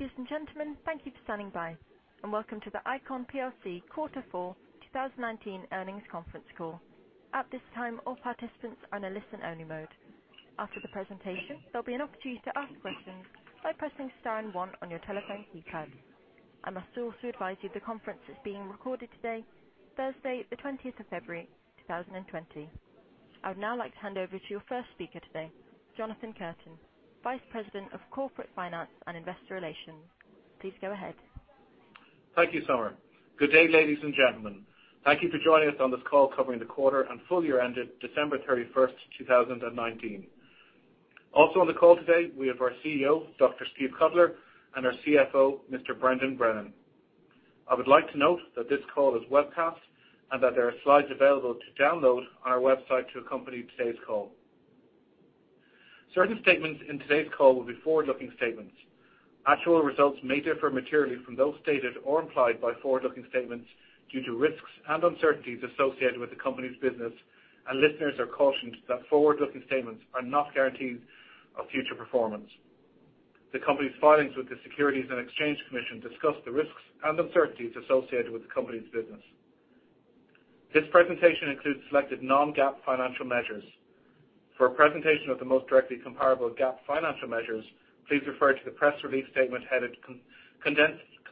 Ladies and gentlemen, thank you for standing by, and welcome to the ICON plc Quarter Four 2019 Earnings Conference Call. At this time, all participants are in a listen-only mode. After the presentation, there'll be an opportunity to ask questions by pressing star one on your telephone keypad. I must also advise you the conference is being recorded today, Thursday the 20th of February, 2020. I would now like to hand over to your first speaker today, Jonathan Curtain, Vice President of Corporate Finance and Investor Relations. Please go ahead. Thank you, Summer. Good day, ladies and gentlemen. Thank you for joining us on this call covering the quarter and full year ended December 31st, 2019. Also on the call today, we have our CEO, Dr. Steve Cutler, and our CFO, Mr. Brendan Brennan. I would like to note that this call is webcasted, and that there are slides available to download on our website to accompany today's call. Certain statements in today's call will be forward-looking statements. Actual results may differ materially from those stated or implied by forward-looking statements due to risks and uncertainties associated with the company's business. Listeners are cautioned that forward-looking statements are not guarantees of future performance. The company's filings with the Securities and Exchange Commission discuss the risks and uncertainties associated with the company's business. This presentation includes selected non-GAAP financial measures. For a presentation of the most directly comparable GAAP financial measures, please refer to the press release statement headed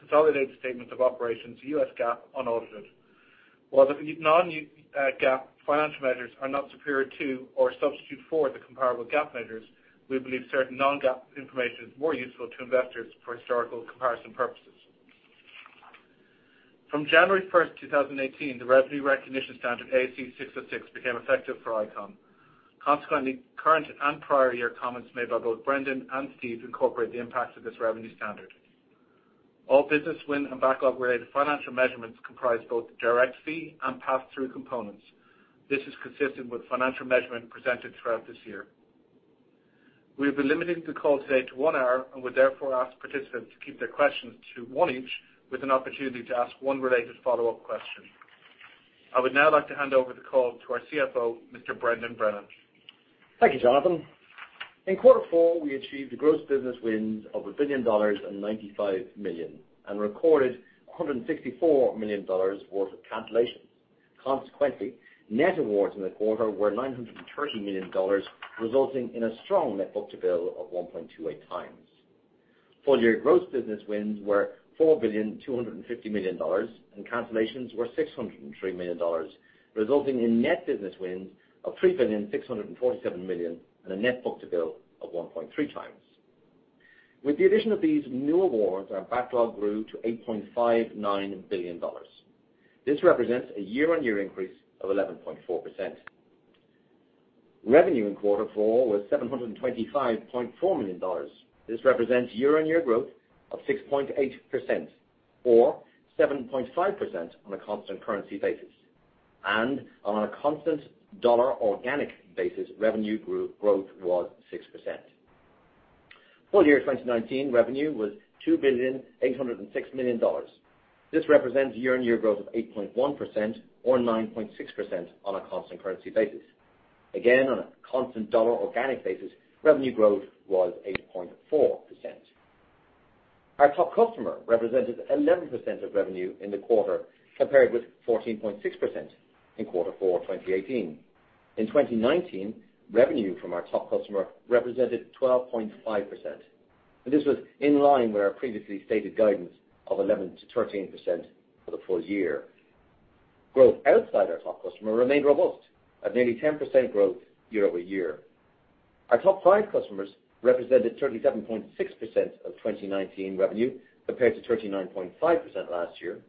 Consolidated Statements of Operations, U.S. GAAP, Unaudited. The non-GAAP financial measures are not superior to or substitute for the comparable GAAP measures, we believe certain non-GAAP information is more useful to investors for historical comparison purposes. From January 1, 2018, the revenue recognition standard ASC 606 became effective for ICON. Consequently, current and prior year comments made by both Brendan and Steve incorporate the impact of this revenue standard. All business win and backlog-related financial measurements comprise both direct fee and pass-through components. This is consistent with financial measurement presented throughout this year. We've been limiting the call today to one hour and would therefore ask participants to keep their questions to one each, with an opportunity to ask one related follow-up question. I would now like to hand over the call to our CFO, Mr. Brendan Brennan. Thank you, Jonathan. In quarter four, we achieved a gross business wins of $1.95 billion and recorded $164 million worth of cancellations. Consequently, net awards in the quarter were $930 million, resulting in a strong net book-to-bill of 1.28x. Full year gross business wins were $4.25 billion and cancellations were $603 million, resulting in net business wins of $3.647 billion and a net book-to-bill of 1.3x. With the addition of these new awards, our backlog grew to $8.59 billion. This represents a year-on-year increase of 11.4%. Revenue in quarter four was $725.4 million. This represents year-on-year growth of 6.8% or 7.5% on a constant currency basis. On a constant dollar organic basis, revenue growth was 6%. Full year 2019 revenue was $2.806 billion. This represents year-on-year growth of 8.1% or 9.6% on a constant currency basis. Again, on a constant dollar organic basis, revenue growth was 8.4%. Our top customer represented 11% of revenue in the quarter, compared with 14.6% in quarter four 2018. In 2019, revenue from our top customer represented 12.5%, and this was in line with our previously stated guidance of 11%-13% for the full year. Growth outside our top customer remained robust at nearly 10% growth year-over-year. Our top five customers represented 37.6% of 2019 revenue, compared to 39.5% last year.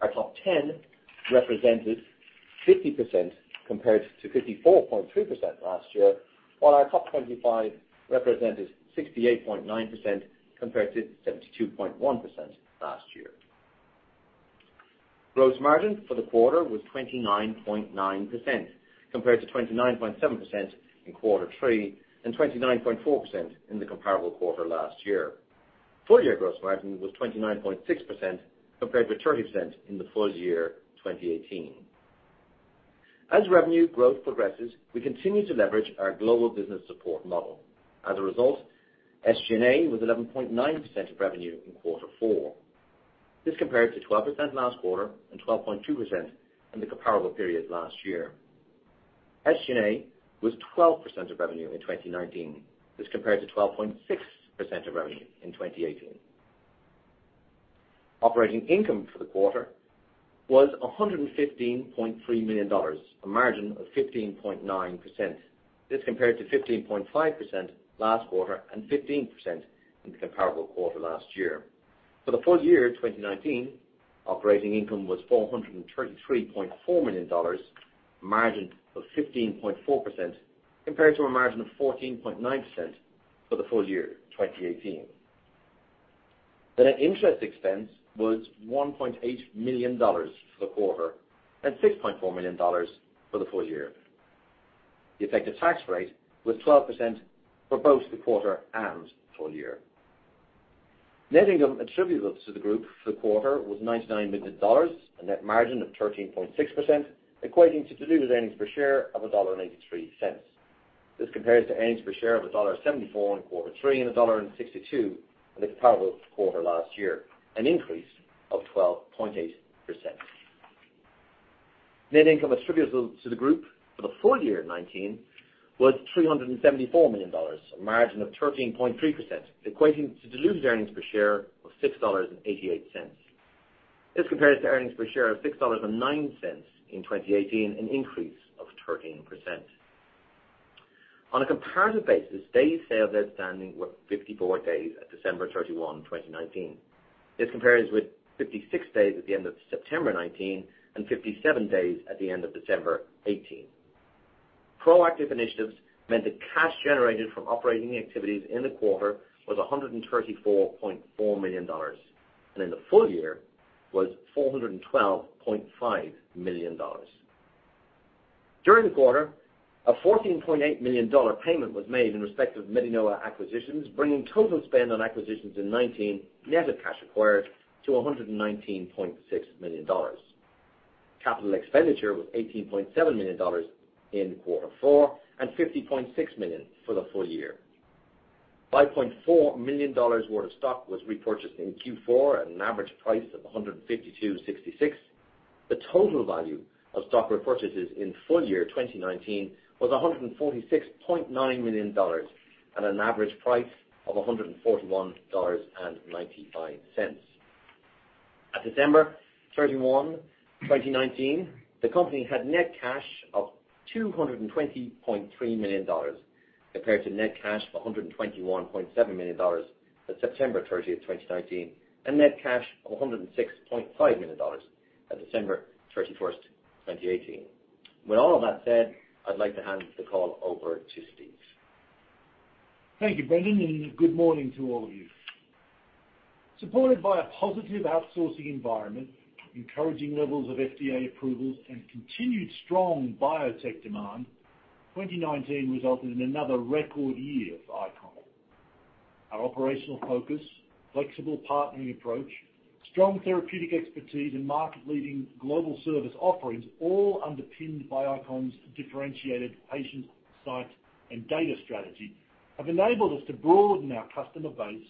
Our top 10 represented 50%, compared to 54.3% last year. While our top 25 represented 68.9%, compared to 72.1% last year. Gross margin for the quarter was 29.9%, compared to 29.7% in quarter three and 29.4% in the comparable quarter last year. Full year gross margin was 29.6%, compared with 30% in the full year 2018. As revenue growth progresses, we continue to leverage our global business support model. As a result, SG&A was 11.9% of revenue in quarter four. This compared to 12% last quarter and 12.2% in the comparable period last year. SG&A was 12% of revenue in 2019, as compared to 12.6% of revenue in 2018. Operating income for the quarter was $115.3 million, a margin of 15.9%. This compared to 15.5% last quarter and 15% in the comparable quarter last year. For the full year 2019, operating income was $433.4 million, a margin of 15.4%, compared to a margin of 14.9% for the full year 2018. The net interest expense was $1.8 million for the quarter and $6.4 million for the full year. The effective tax rate was 12% for both the quarter and full year. Net income attributable to the group for the quarter was $99 million, a net margin of 13.6%, equating to diluted earnings per share of $1.83. This compares to earnings per share of $1.74 in quarter three and $1.62 in the comparable quarter last year, an increase of 12.8%. Net income attributable to the group for the full year 2019 was $374 million, a margin of 13.3%, equating to diluted earnings per share of $6.88. This compares to earnings per share of $6.09 in 2018, an increase of 13%. On a comparative basis, days sales outstanding were 54 days at December 31, 2019. This compares with 56 days at the end of September 2019, and 57 days at the end of December 2018. Proactive initiatives meant that cash generated from operating activities in the quarter was $134.4 million, and in the full year was $412.5 million. During the quarter, a $14.8 million payment was made in respect of MeDiNova acquisitions, bringing total spend on acquisitions in 2019, net of cash acquired, to $119.6 million. Capital expenditure was $18.7 million in quarter four, and $50.6 million for the full year. $5.4 million worth of stock was repurchased in Q4 at an average price of $152.66. The total value of stock repurchases in full year 2019 was $146.9 million at an average price of $141.95. At December 31, 2019, the company had net cash of $220.3 million, compared to net cash of $121.7 million at September 30, 2019, and net cash of $106.5 million at December 31, 2018. With all of that said, I'd like to hand the call over to Steve. Thank you, Brendan. Good morning to all of you. Supported by a positive outsourcing environment, encouraging levels of FDA approvals, and continued strong biotech demand, 2019 resulted in another record year for ICON. Our operational focus, flexible partnering approach, strong therapeutic expertise, and market-leading global service offerings, all underpinned by ICON's differentiated patient site and data strategy, have enabled us to broaden our customer base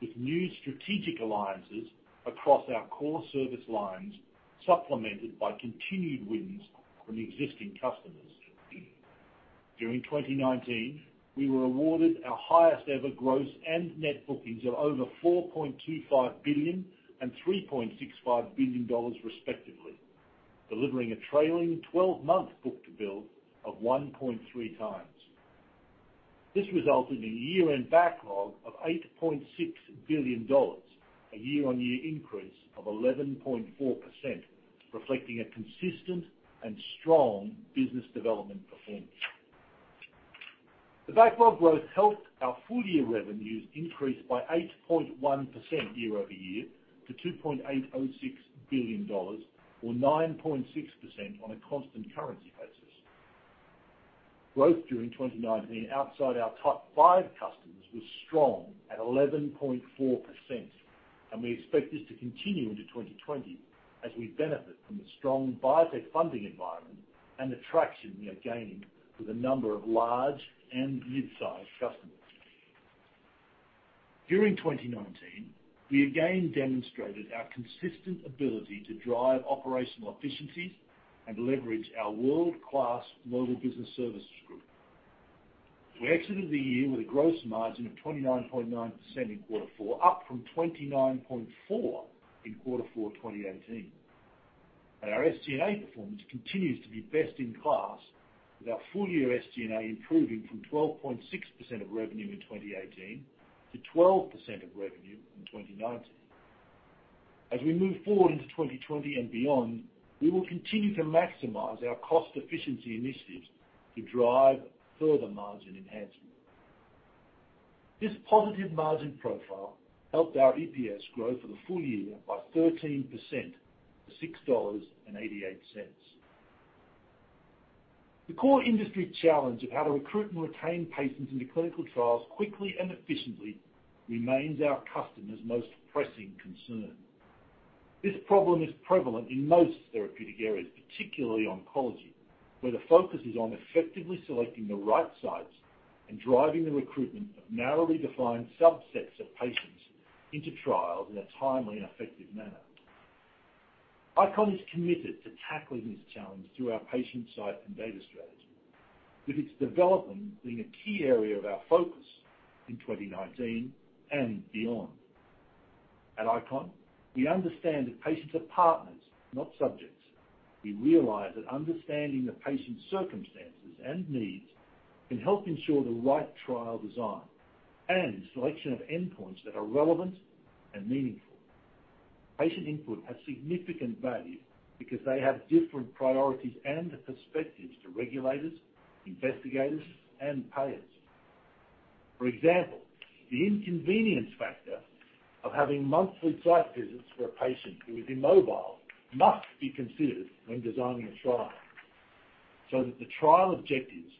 with new strategic alliances across our core service lines, supplemented by continued wins from existing customers. During 2019, we were awarded our highest ever gross and net bookings of over $4.25 billion and $3.65 billion respectively, delivering a trailing 12-month book-to-bill of 1.3x. This resulted in year-end backlog of $8.6 billion, a year-on-year increase of 11.4%, reflecting a consistent and strong business development performance. The backlog growth helped our full-year revenues increase by 8.1% year-over-year to $2.806 billion, or 9.6% on a constant currency basis. Growth during 2019 outside our top five customers was strong at 11.4%, and we expect this to continue into 2020 as we benefit from the strong biotech funding environment and the traction we are gaining with a number of large and mid-sized customers. During 2019, we again demonstrated our consistent ability to drive operational efficiencies and leverage our world-class mobile business services group. We exited the year with a gross margin of 29.9% in quarter four, up from 29.4% in quarter four 2018. Our SG&A performance continues to be best in class, with our full-year SG&A improving from 12.6% of revenue in 2018 to 12% of revenue in 2019. As we move forward into 2020 and beyond, we will continue to maximize our cost efficiency initiatives to drive further margin enhancement. This positive margin profile helped our EPS grow for the full year by 13% to $6.88. The core industry challenge of how to recruit and retain patients into clinical trials quickly and efficiently remains our customers' most pressing concern. This problem is prevalent in most therapeutic areas, particularly oncology, where the focus is on effectively selecting the right sites and driving the recruitment of narrowly defined subsets of patients into trials in a timely and effective manner. ICON is committed to tackling this challenge through our patient site and data strategy, with its development being a key area of our focus in 2019 and beyond. At ICON, we understand that patients are partners, not subjects. We realize that understanding the patient's circumstances and needs can help ensure the right trial design and selection of endpoints that are relevant and meaningful. Patient input has significant value because they have different priorities and perspectives to regulators, investigators, and payers. For example, the inconvenience factor of having monthly site visits for a patient who is immobile must be considered when designing a trial, so that the trial objectives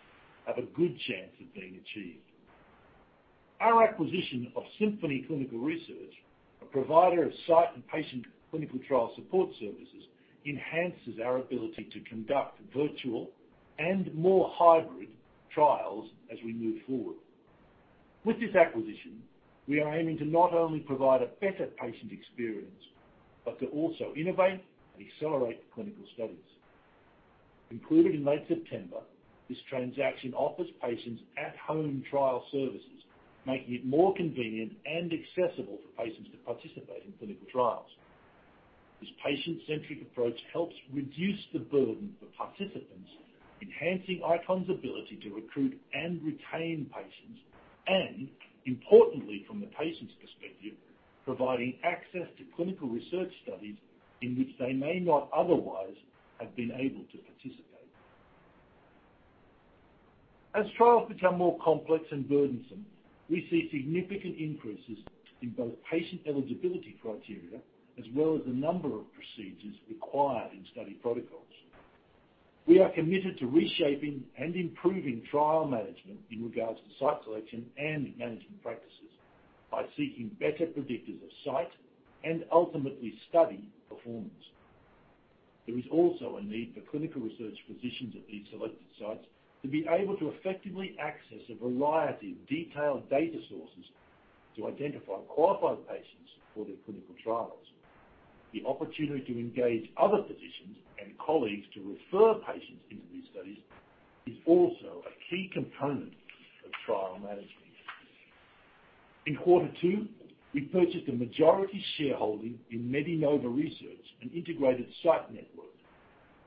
have a good chance of being achieved. Our acquisition of Symphony Clinical Research, a provider of site and patient clinical trial support services, enhances our ability to conduct virtual and more hybrid trials as we move forward. With this acquisition, we are aiming to not only provide a better patient experience, but to also innovate and accelerate clinical studies. Concluded in late September, this transaction offers patients at-home trial services, making it more convenient and accessible for patients to participate in clinical trials. This patient-centric approach helps reduce the burden for participants, enhancing ICON's ability to recruit and retain patients, and importantly from the patient's perspective, providing access to clinical research studies in which they may not otherwise have been able to participate. As trials become more complex and burdensome, we see significant increases in both patient eligibility criteria as well as the number of procedures required in study protocols. We are committed to reshaping and improving trial management in regards to site selection and management practices by seeking better predictors of site and ultimately study performance. There is also a need for clinical research physicians at these selected sites to be able to effectively access a variety of detailed data sources to identify qualified patients for their clinical trials. The opportunity to engage other physicians and colleagues to refer patients into these studies is also a key component of trial management. In quarter two, we purchased a majority shareholding in MeDiNova Research, an integrated site network.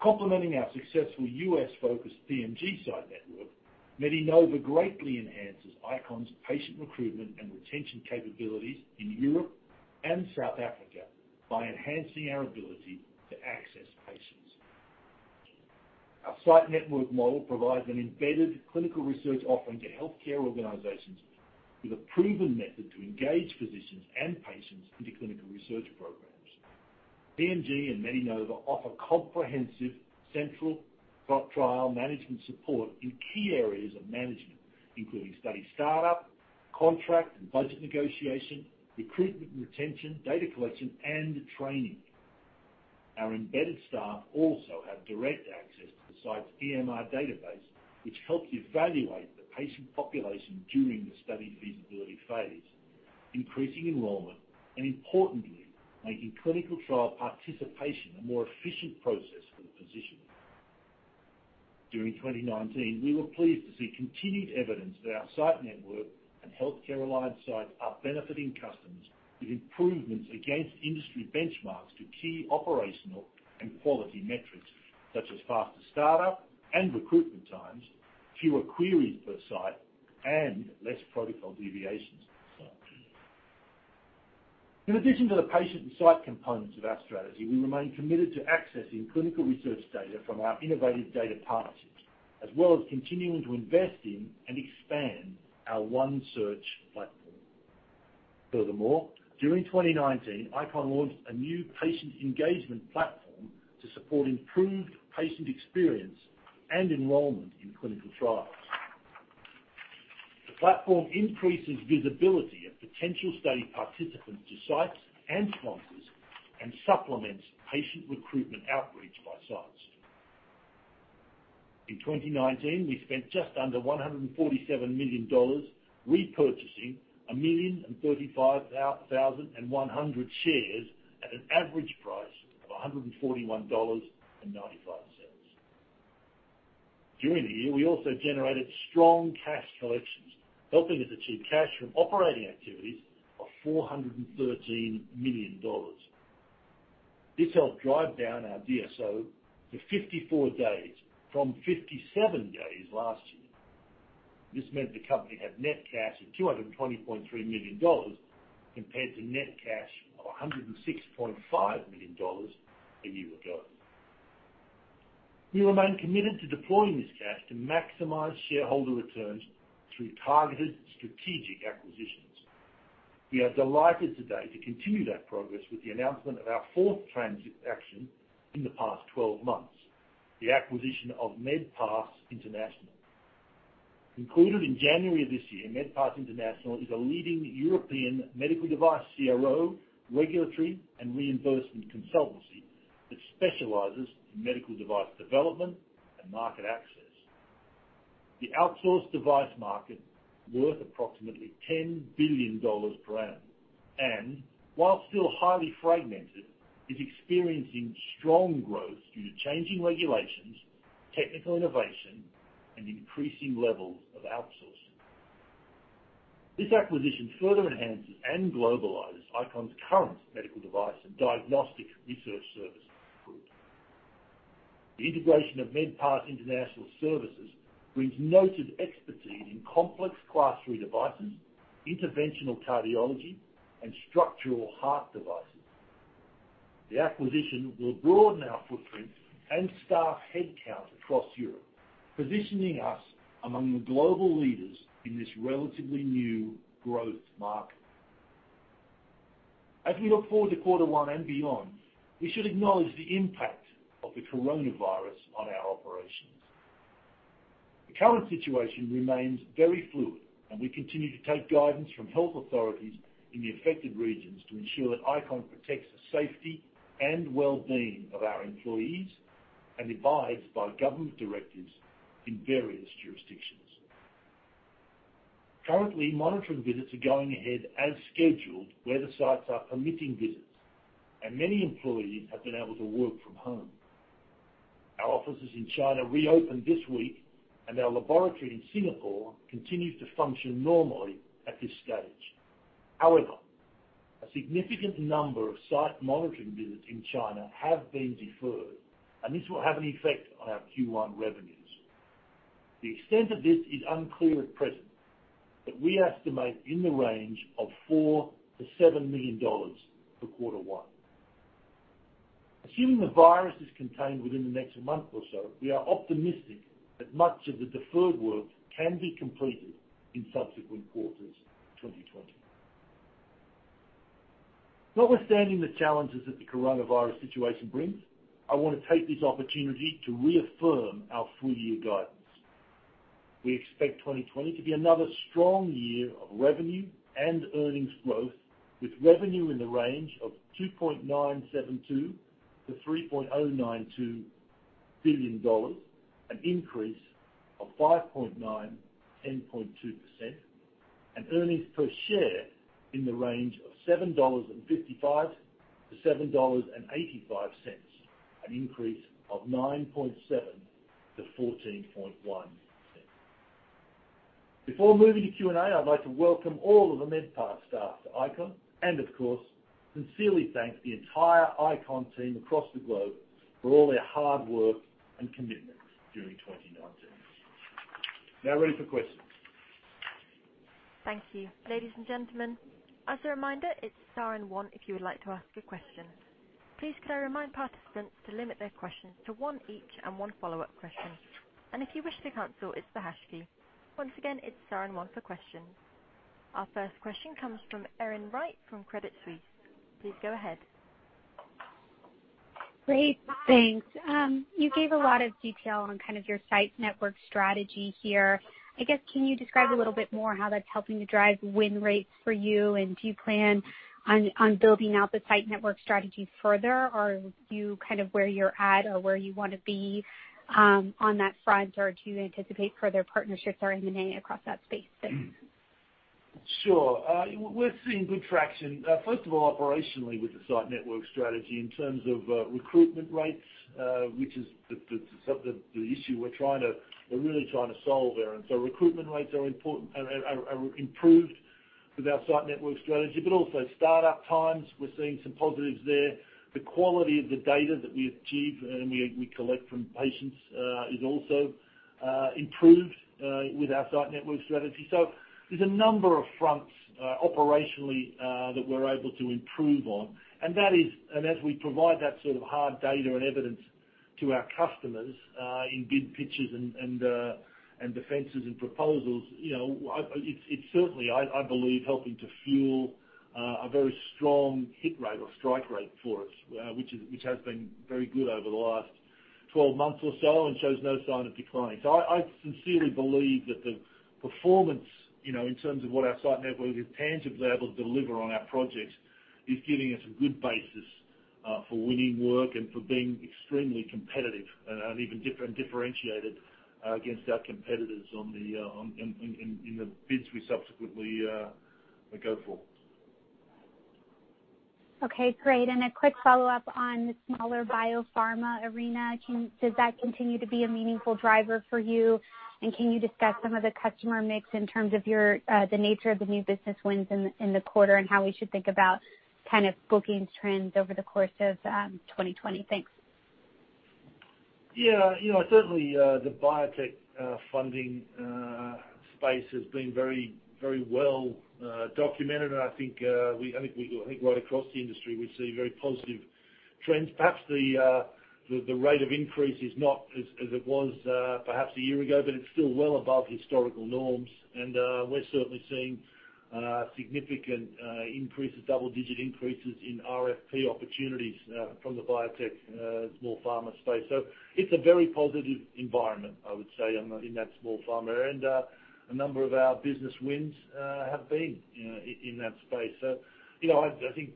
Complementing our successful U.S.-focused PMG site network, MeDiNova greatly enhances ICON's patient recruitment and retention capabilities in Europe and South Africa by enhancing our ability to access patients. Our site network model provides an embedded clinical research offering to healthcare organizations with a proven method to engage physicians and patients into clinical research programs. PMG and MeDiNova offer comprehensive central trial management support in key areas of management, including study startup, contract and budget negotiation, recruitment and retention, data collection, and training. Our embedded staff also have direct access to the site's EMR database, which helps evaluate the patient population during the study feasibility phase, increasing enrollment, and importantly, making clinical trial participation a more efficient process for the physician. During 2019, we were pleased to see continued evidence that our site network and healthcare aligned sites are benefiting customers with improvements against industry benchmarks to key operational and quality metrics, such as faster startup and recruitment times, fewer queries per site, and less protocol deviations at the site. In addition to the patient and site components of our strategy, we remain committed to accessing clinical research data from our innovative data partnerships, as well as continuing to invest in and expand our OneSearch platform. Furthermore, during 2019, ICON launched a new patient engagement platform to support improved patient experience and enrollment in clinical trials. The platform increases visibility of potential study participants to sites and sponsors and supplements patient recruitment outreach by sites. In 2019, we spent just under $147 million repurchasing 1,035,100 shares at an average price of $141.95. During the year, we also generated strong cash collections, helping us achieve cash from operating activities of $413 million. This helped drive down our DSO to 54 days from 57 days last year. This meant the company had net cash of $220.3 million compared to net cash of $106.5 million a year ago. We remain committed to deploying this cash to maximize shareholder returns through targeted strategic acquisitions. We are delighted today to continue that progress with the announcement of our fourth transaction in the past 12 months, the acquisition of MedPass International. Concluded in January of this year, MedPass International is a leading European medical device CRO, regulatory, and reimbursement consultancy that specializes in medical device development and market access. The outsourced device market is worth approximately $10 billion per annum, and while still highly fragmented, is experiencing strong growth due to changing regulations, technical innovation, and increasing levels of outsourcing. This acquisition further enhances and globalizes ICON's current medical device and diagnostic research service group. The integration of MedPass International services brings noted expertise in complex Class III devices, interventional cardiology, and structural heart devices. The acquisition will broaden our footprint and staff headcount across Europe, positioning us among the global leaders in this relatively new growth market. As we look forward to quarter one and beyond, we should acknowledge the impact of the coronavirus on our operations. The current situation remains very fluid, and we continue to take guidance from health authorities in the affected regions to ensure that ICON protects the safety and well-being of our employees and abides by government directives in various jurisdictions. Currently, monitoring visits are going ahead as scheduled where the sites are permitting visits, and many employees have been able to work from home. Our offices in China reopened this week, and our laboratory in Singapore continues to function normally at this stage. A significant number of site monitoring visits in China have been deferred, and this will have an effect on our Q1 revenues. The extent of this is unclear at present, we estimate in the range of $4 million-$7 million for Q1. Assuming the virus is contained within the next month or so, we are optimistic that much of the deferred work can be completed in subsequent quarters of 2020. Notwithstanding the challenges that the coronavirus situation brings, I want to take this opportunity to reaffirm our full-year guidance. We expect 2020 to be another strong year of revenue and earnings growth, with revenue in the range of $2.972 billion-$3.092 billion, an increase of 5.9%, 10.2%, and earnings per share in the range of $7.55-$7.85, an increase of 9.7%-14.1%. Before moving to Q&A, I'd like to welcome all of the MedPass staff to ICON, and of course, sincerely thank the entire ICON team across the globe for all their hard work and commitment during 2019. Now ready for questions. Thank you. Ladies and gentlemen, as a reminder, it's star and one if you would like to ask a question. Please can I remind participants to limit their questions to one each and one follow-up question. If you wish to cancel, it's the hash key. Once again, it's star and one for questions. Our first question comes from Erin Wright from Credit Suisse. Please go ahead. Great. Thanks. You gave a lot of detail on kind of your site network strategy here. I guess, can you describe a little bit more how that's helping to drive win rates for you, and do you plan on building out the site network strategy further, or are you kind of where you're at or where you want to be on that front, or do you anticipate further partnerships or M&A across that space? Thanks. Sure. We're seeing good traction, first of all, operationally with the site network strategy in terms of recruitment rates, which is the issue we're really trying to solve, Erin. Recruitment rates are improved with our site network strategy, but also startup times, we're seeing some positives there. The quality of the data that we achieve and we collect from patients is also improved with our site network strategy. There's a number of fronts operationally that we're able to improve on. As we provide that sort of hard data and evidence to our customers in bid pitches and defenses and proposals, it's certainly, I believe, helping to fuel a very strong hit rate or strike rate for us, which has been very good over the last 12 months or so and shows no sign of declining. I sincerely believe that the performance in terms of what our site network is tangibly able to deliver on our projects is giving us a good basis for winning work and for being extremely competitive and even differentiated against our competitors in the bids we subsequently go for. Okay, great. A quick follow-up on the smaller biopharma arena. Does that continue to be a meaningful driver for you? Can you discuss some of the customer mix in terms of the nature of the new business wins in the quarter and how we should think about kind of bookings trends over the course of 2020? Thanks. Yeah. Certainly, the biotech funding space has been very well documented, I think right across the industry, we see very positive trends. Perhaps the rate of increase is not as it was perhaps a year ago, it's still well above historical norms. We're certainly seeing significant increases, double-digit increases in RFP opportunities from the biotech small pharma space. It's a very positive environment, I would say, in that small pharma. A number of our business wins have been in that space. I think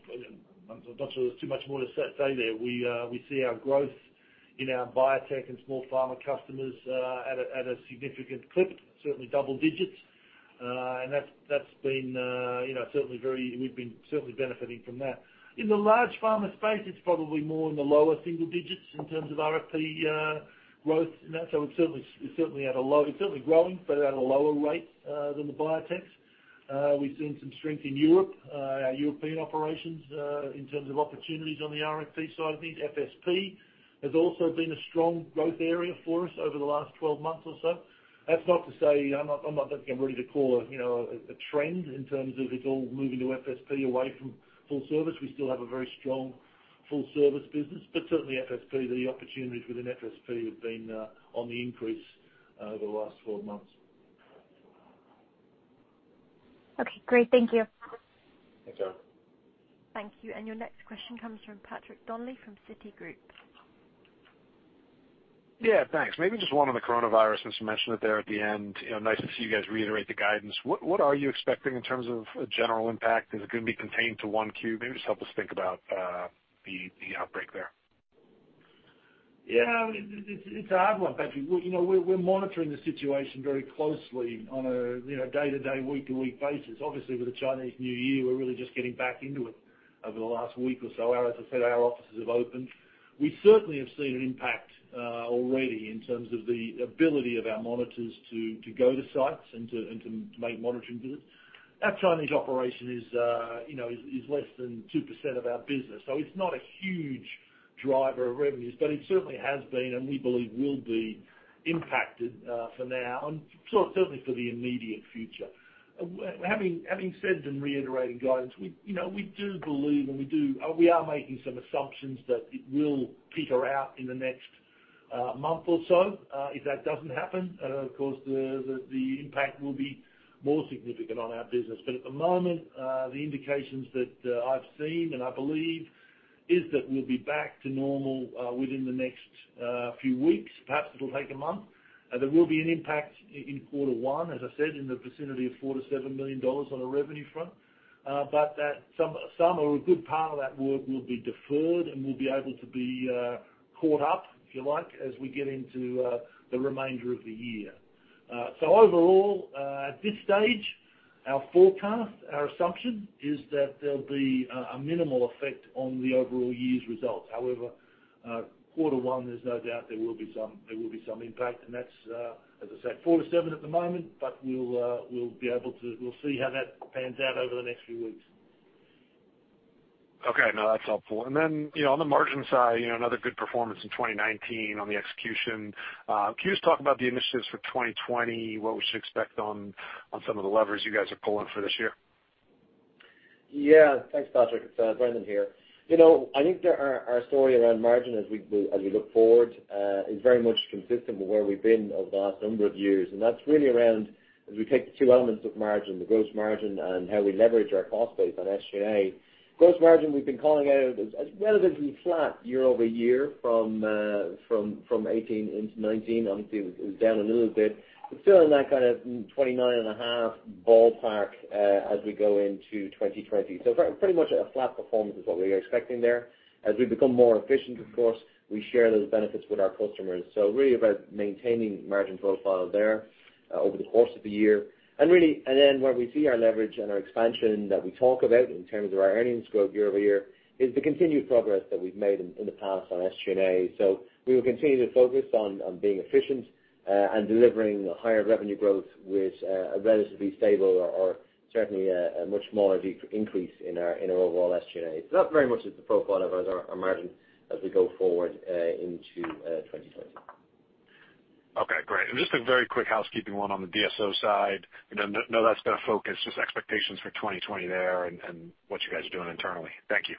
I'm not sure there's too much more to say there. We see our growth in our biotech and small pharma customers at a significant clip, certainly double digits. We've been certainly benefiting from that. In the large pharma space, it's probably more in the lower single digits in terms of RFP growth in that. It's certainly growing, but at a lower rate than the biotechs. We've seen some strength in Europe, our European operations, in terms of opportunities on the RFP side of things. FSP has also been a strong growth area for us over the last 12 months or so. I'm not ready to call a trend in terms of it's all moving to FSP away from full service. We still have a very strong full-service business, but certainly FSP, the opportunities within FSP have been on the increase over the last 12 months. Okay, great. Thank you. Thanks, Erin. Thank you. Your next question comes from Patrick Donnelly from Citigroup. Yeah, thanks. Maybe just one on the coronavirus, since you mentioned it there at the end. Nice to see you guys reiterate the guidance. What are you expecting in terms of a general impact? Is it going to be contained to 1Q? Maybe just help us think about the outbreak there. It's a hard one, Patrick. We're monitoring the situation very closely on a day-to-day, week-to-week basis. Obviously, with the Chinese New Year, we're really just getting back into it over the last week or so. As I said, our offices have opened. We certainly have seen an impact already in terms of the ability of our monitors to go to sites and to make monitoring visits. Our Chinese operation is less than 2% of our business, so it's not a huge driver of revenues, but it certainly has been, and we believe will be impacted for now, and certainly for the immediate future. Having said and reiterated guidance, we do believe and we are making some assumptions that it will peter out in the next month or so. If that doesn't happen, of course, the impact will be more significant on our business. At the moment, the indications that I've seen and I believe, is that we'll be back to normal within the next few weeks. Perhaps it'll take a month. There will be an impact in quarter one, as I said, in the vicinity of $4 million-$7 million on a revenue front. Some, or a good part of that work will be deferred and will be able to be caught up, if you like, as we get into the remainder of the year. Overall, at this stage, our forecast, our assumption, is that there'll be a minimal effect on the overall year's results. However, quarter one, there's no doubt there will be some impact, and that's, as I say, four to seven at the moment, we'll see how that pans out over the next few weeks. Okay. No, that's helpful. Then, on the margin side, another good performance in 2019 on the execution. Can you just talk about the initiatives for 2020, what we should expect on some of the levers you guys are pulling for this year? Yeah. Thanks, Patrick. It's Brendan here. I think our story around margin as we look forward is very much consistent with where we've been over the last number of years. That's really around as we take the two elements of margin, the gross margin and how we leverage our cost base on SG&A. Gross margin we've been calling out as relatively flat year-over-year from 2018 into 2019. Obviously, it was down a little bit, but still in that kind of 29.5 ballpark as we go into 2020. Pretty much a flat performance is what we are expecting there. As we become more efficient, of course, we share those benefits with our customers. Really about maintaining margin profile there over the course of the year. Where we see our leverage and our expansion that we talk about in terms of our earnings growth year-over-year is the continued progress that we've made in the past on SG&A. We will continue to focus on being efficient and delivering higher revenue growth with a relatively stable or certainly a much smaller increase in our overall SG&A. That very much is the profile of our margin as we go forward into 2020. Okay, great. Just a very quick housekeeping one on the DSO side. I know that's been a focus, just expectations for 2020 there and what you guys are doing internally. Thank you.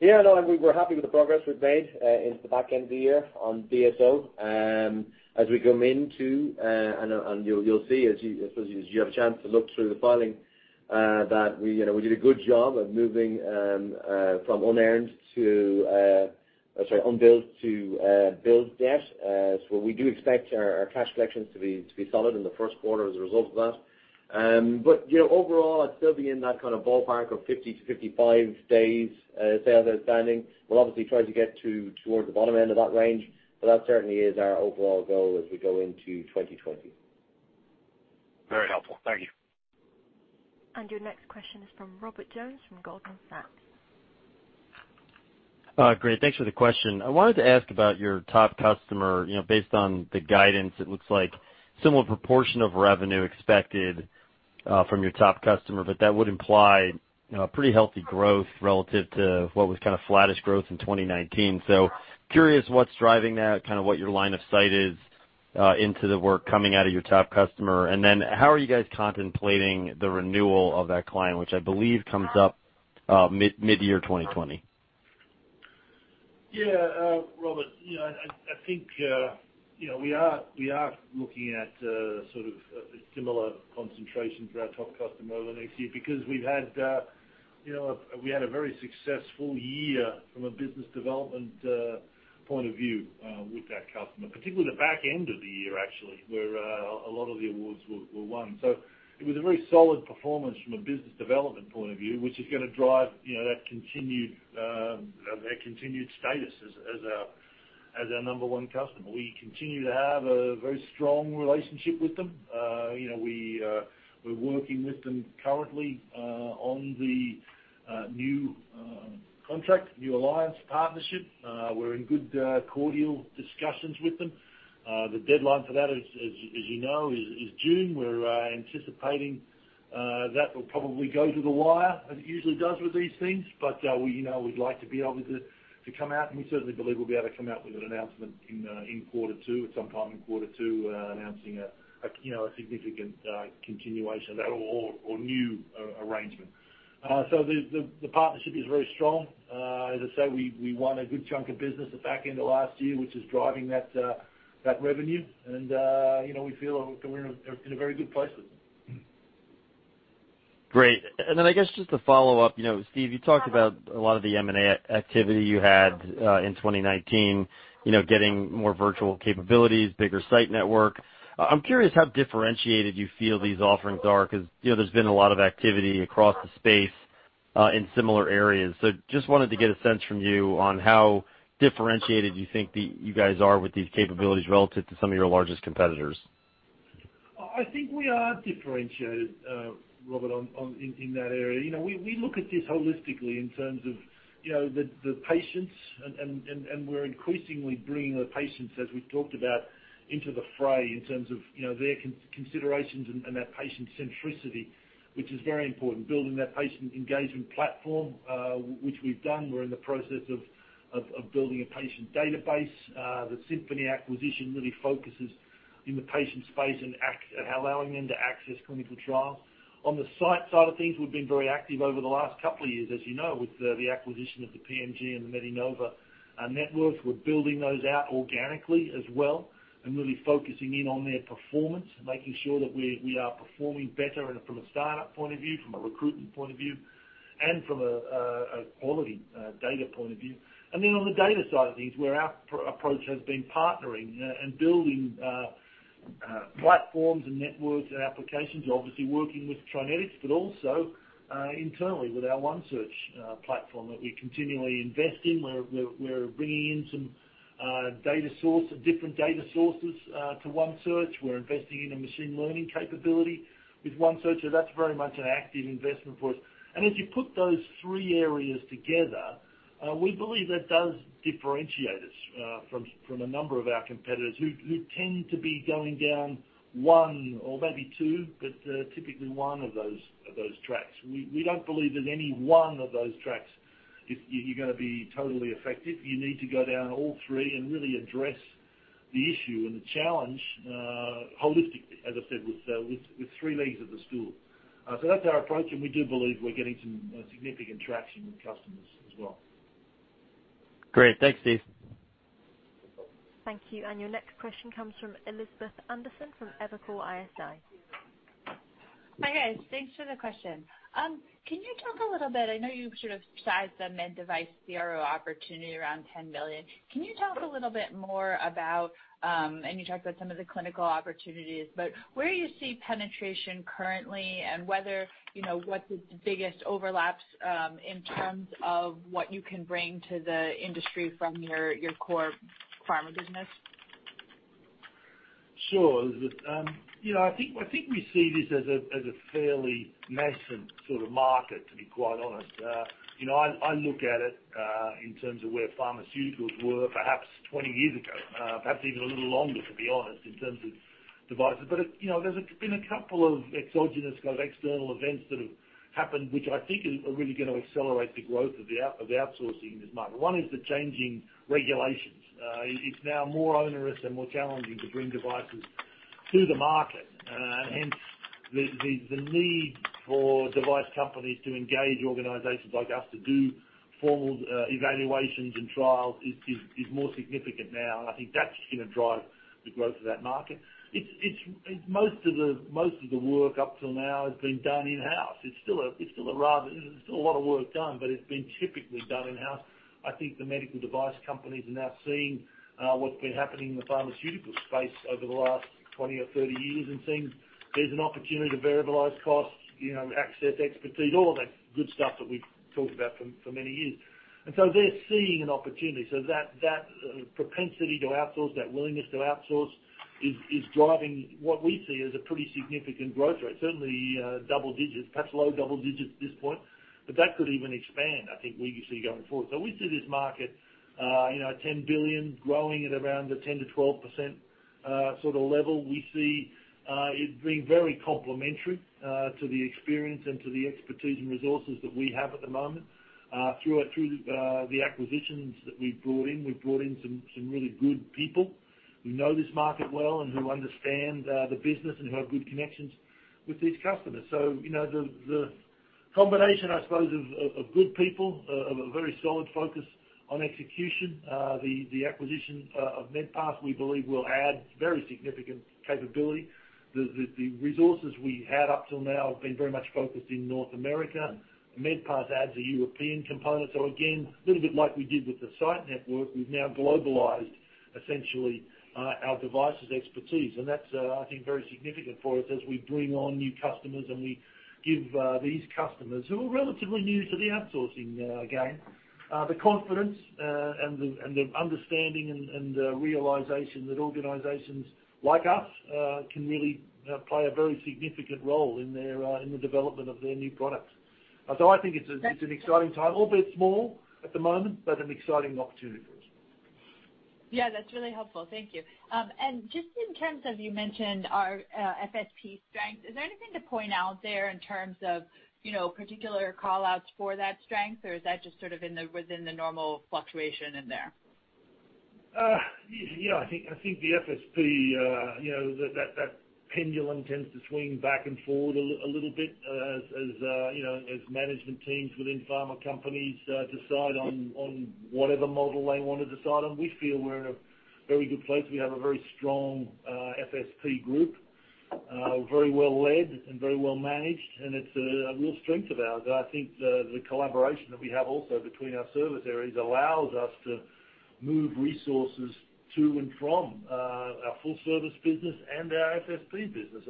Yeah, no. We're happy with the progress we've made into the back end of the year on DSO. As we come into, and you'll see as you have a chance to look through the filing, that we did a good job of moving from unbilled to billed debt. We do expect our cash collections to be solid in the first quarter as a result of that. Overall, I'd still be in that kind of ballpark of 50-55 days sales outstanding. We'll obviously try to get towards the bottom end of that range, but that certainly is our overall goal as we go into 2020. Very helpful. Thank you. Your next question is from Robert Jones from Goldman Sachs. Great. Thanks for the question. I wanted to ask about your top customer. Based on the guidance, it looks like similar proportion of revenue expected from your top customer, that would imply a pretty healthy growth relative to what was kind of flattish growth in 2019. Curious what's driving that, kind of what your line of sight is into the work coming out of your top customer. How are you guys contemplating the renewal of that client, which I believe comes up mid-year 2020? Robert, I think we are looking at sort of a similar concentration for our top customer over the next year because we had a very successful year from a business development point of view with that customer, particularly the back end of the year, actually, where a lot of the awards were won. It was a very solid performance from a business development point of view, which is going to drive their continued status as our number one customer. We continue to have a very strong relationship with them. We're working with them currently on the new contract, new alliance partnership. We're in good cordial discussions with them. The deadline for that, as you know, is June. We're anticipating that will probably go to the wire as it usually does with these things. We'd like to be able to come out, and we certainly believe we'll be able to come out with an announcement in quarter two, at some time in quarter two, announcing a significant continuation of that or new arrangement. The partnership is very strong. As I say, we won a good chunk of business at the back end of last year, which is driving that revenue. We feel we're in a very good place with them. Great. I guess just to follow up, Steve, you talked about a lot of the M&A activity you had in 2019, getting more virtual capabilities, bigger site network. I'm curious how differentiated you feel these offerings are, because there's been a lot of activity across the space, in similar areas. Just wanted to get a sense from you on how differentiated you think you guys are with these capabilities relative to some of your largest competitors. I think we are differentiated, Robert, in that area. We look at this holistically in terms of the patients, and we're increasingly bringing the patients, as we've talked about, into the fray in terms of their considerations and that patient centricity, which is very important. Building that patient engagement platform, which we've done. We're in the process of building a patient database. The Symphony acquisition really focuses in the patient space and allowing them to access clinical trials. On the site side of things, we've been very active over the last couple of years, as you know, with the acquisition of the PMG and the MeDiNova networks. We're building those out organically as well and really focusing in on their performance, making sure that we are performing better from a startup point of view, from a recruitment point of view, and from a quality data point of view. Then on the data side of things, where our approach has been partnering and building platforms and networks and applications. Obviously working with TriNetX, but also internally with our OneSearch platform that we continually invest in. We're bringing in some different data sources to OneSearch. We're investing in a machine learning capability with OneSearch, that's very much an active investment for us. As you put those three areas together, we believe that does differentiate us from a number of our competitors who tend to be going down one or maybe two, but typically one of those tracks. We don't believe that any one of those tracks, you're going to be totally effective. You need to go down all three and really address the issue and the challenge holistically, as I said, with three legs of the stool. That's our approach, and we do believe we're getting some significant traction with customers as well. Great. Thanks, Steve. Thank you. Your next question comes from Elizabeth Anderson from Evercore ISI. Hi, guys. Thanks for the question. Can you talk a little bit, I know you sort of sized the med device CRO opportunity around $10 million. Can you talk a little bit more about, and you talked about some of the clinical opportunities, but where you see penetration currently and what the biggest overlaps in terms of what you can bring to the industry from your core pharma business? Sure, Elizabeth. I think we see this as a fairly nascent sort of market, to be quite honest. I look at it in terms of where pharmaceuticals were perhaps 20 years ago, perhaps even a little longer, to be honest, in terms of devices. There's been a couple of exogenous sort of external events that have happened, which I think are really going to accelerate the growth of the outsourcing in this market. One is the changing regulations. It's now more onerous and more challenging to bring devices to the market. Hence, the need for device companies to engage organizations like us to do formal evaluations and trials is more significant now, and I think that's going to drive the growth of that market. Most of the work up till now has been done in-house. It's still a lot of work done, but it's been typically done in-house. I think the medical device companies are now seeing what's been happening in the pharmaceutical space over the last 20 or 30 years and seeing there's an opportunity to variable those costs, access expertise, all that good stuff that we've talked about for many years. They're seeing an opportunity. That propensity to outsource, that willingness to outsource is driving what we see as a pretty significant growth rate. Certainly double digits, perhaps low double digits at this point, but that could even expand, I think we see going forward. We see this market, at $10 billion growing at around a 10%-12% sort of level. We see it being very complementary to the experience and to the expertise and resources that we have at the moment. Through the acquisitions that we've brought in, we've brought in some really good people who know this market well and who understand the business and have good connections with these customers. The combination, I suppose, of good people, of a very solid focus on execution. The acquisition of MedPass, we believe, will add very significant capability. The resources we had up till now have been very much focused in North America. MedPass adds a European component. Again, a little bit like we did with the site network, we've now globalized, essentially, our devices expertise. That's, I think, very significant for us as we bring on new customers and we give these customers, who are relatively new to the outsourcing game, the confidence and the understanding and the realization that organizations like us can really play a very significant role in the development of their new product. I think it's an exciting time, albeit small at the moment, but an exciting opportunity for us. Yeah, that's really helpful. Thank you. Just in terms of, you mentioned our FSP strength. Is there anything to point out there in terms of particular call-outs for that strength, or is that just sort of within the normal fluctuation in there? I think the FSP, that pendulum tends to swing back and forward a little bit as management teams within pharma companies decide on whatever model they want to decide on. We feel we're in a very good place. We have a very strong FSP group, very well-led and very well managed, and it's a real strength of ours. I think the collaboration that we have also between our service areas allows us to move resources to and from our full service business and our FSP business.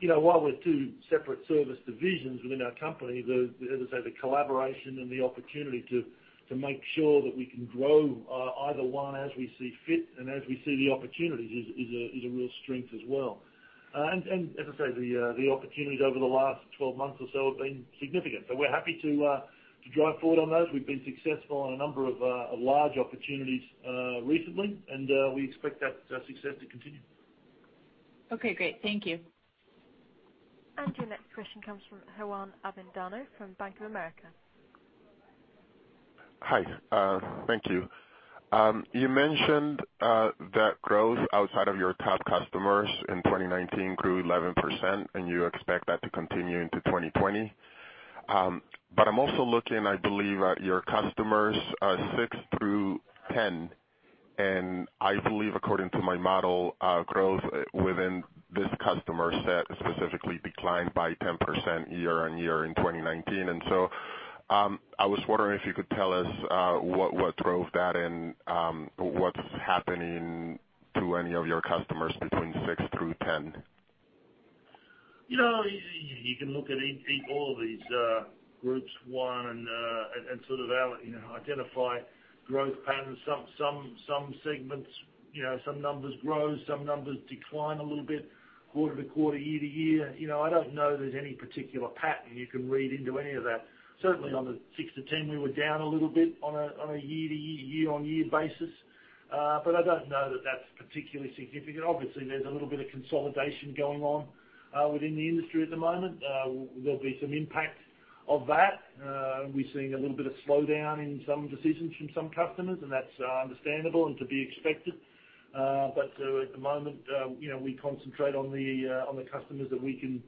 While we're two separate service divisions within our company, as I say, the collaboration and the opportunity to make sure that we can grow either one as we see fit and as we see the opportunities, is a real strength as well. As I said, the opportunities over the last 12 months or so have been significant. We're happy to drive forward on those. We've been successful in a number of large opportunities recently, and we expect that success to continue. Okay, great. Thank you. Your next question comes from Juan Avendano from Bank of America. Hi. Thank you. You mentioned that growth outside of your top customers in 2019 grew 11%, and you expect that to continue into 2020. I'm also looking, I believe, at your customers six through 10, and I believe, according to my model, growth within this customer set specifically declined by 10% year-on-year in 2019. I was wondering if you could tell us what drove that and what's happening to any of your customers between six through 10. You can look at all these groups, one, and sort of identify growth patterns. Some segments, some numbers grow, some numbers decline a little bit quarter-to-quarter, year-to-year. I don't know there's any particular pattern you can read into any of that. Certainly, on the 6-10, we were down a little bit on a year-on-year basis. I don't know that that's particularly significant. Obviously, there's a little bit of consolidation going on within the industry at the moment. There'll be some impact of that. We're seeing a little bit of slowdown in some decisions from some customers, and that's understandable and to be expected. At the moment, we concentrate on the customers that we can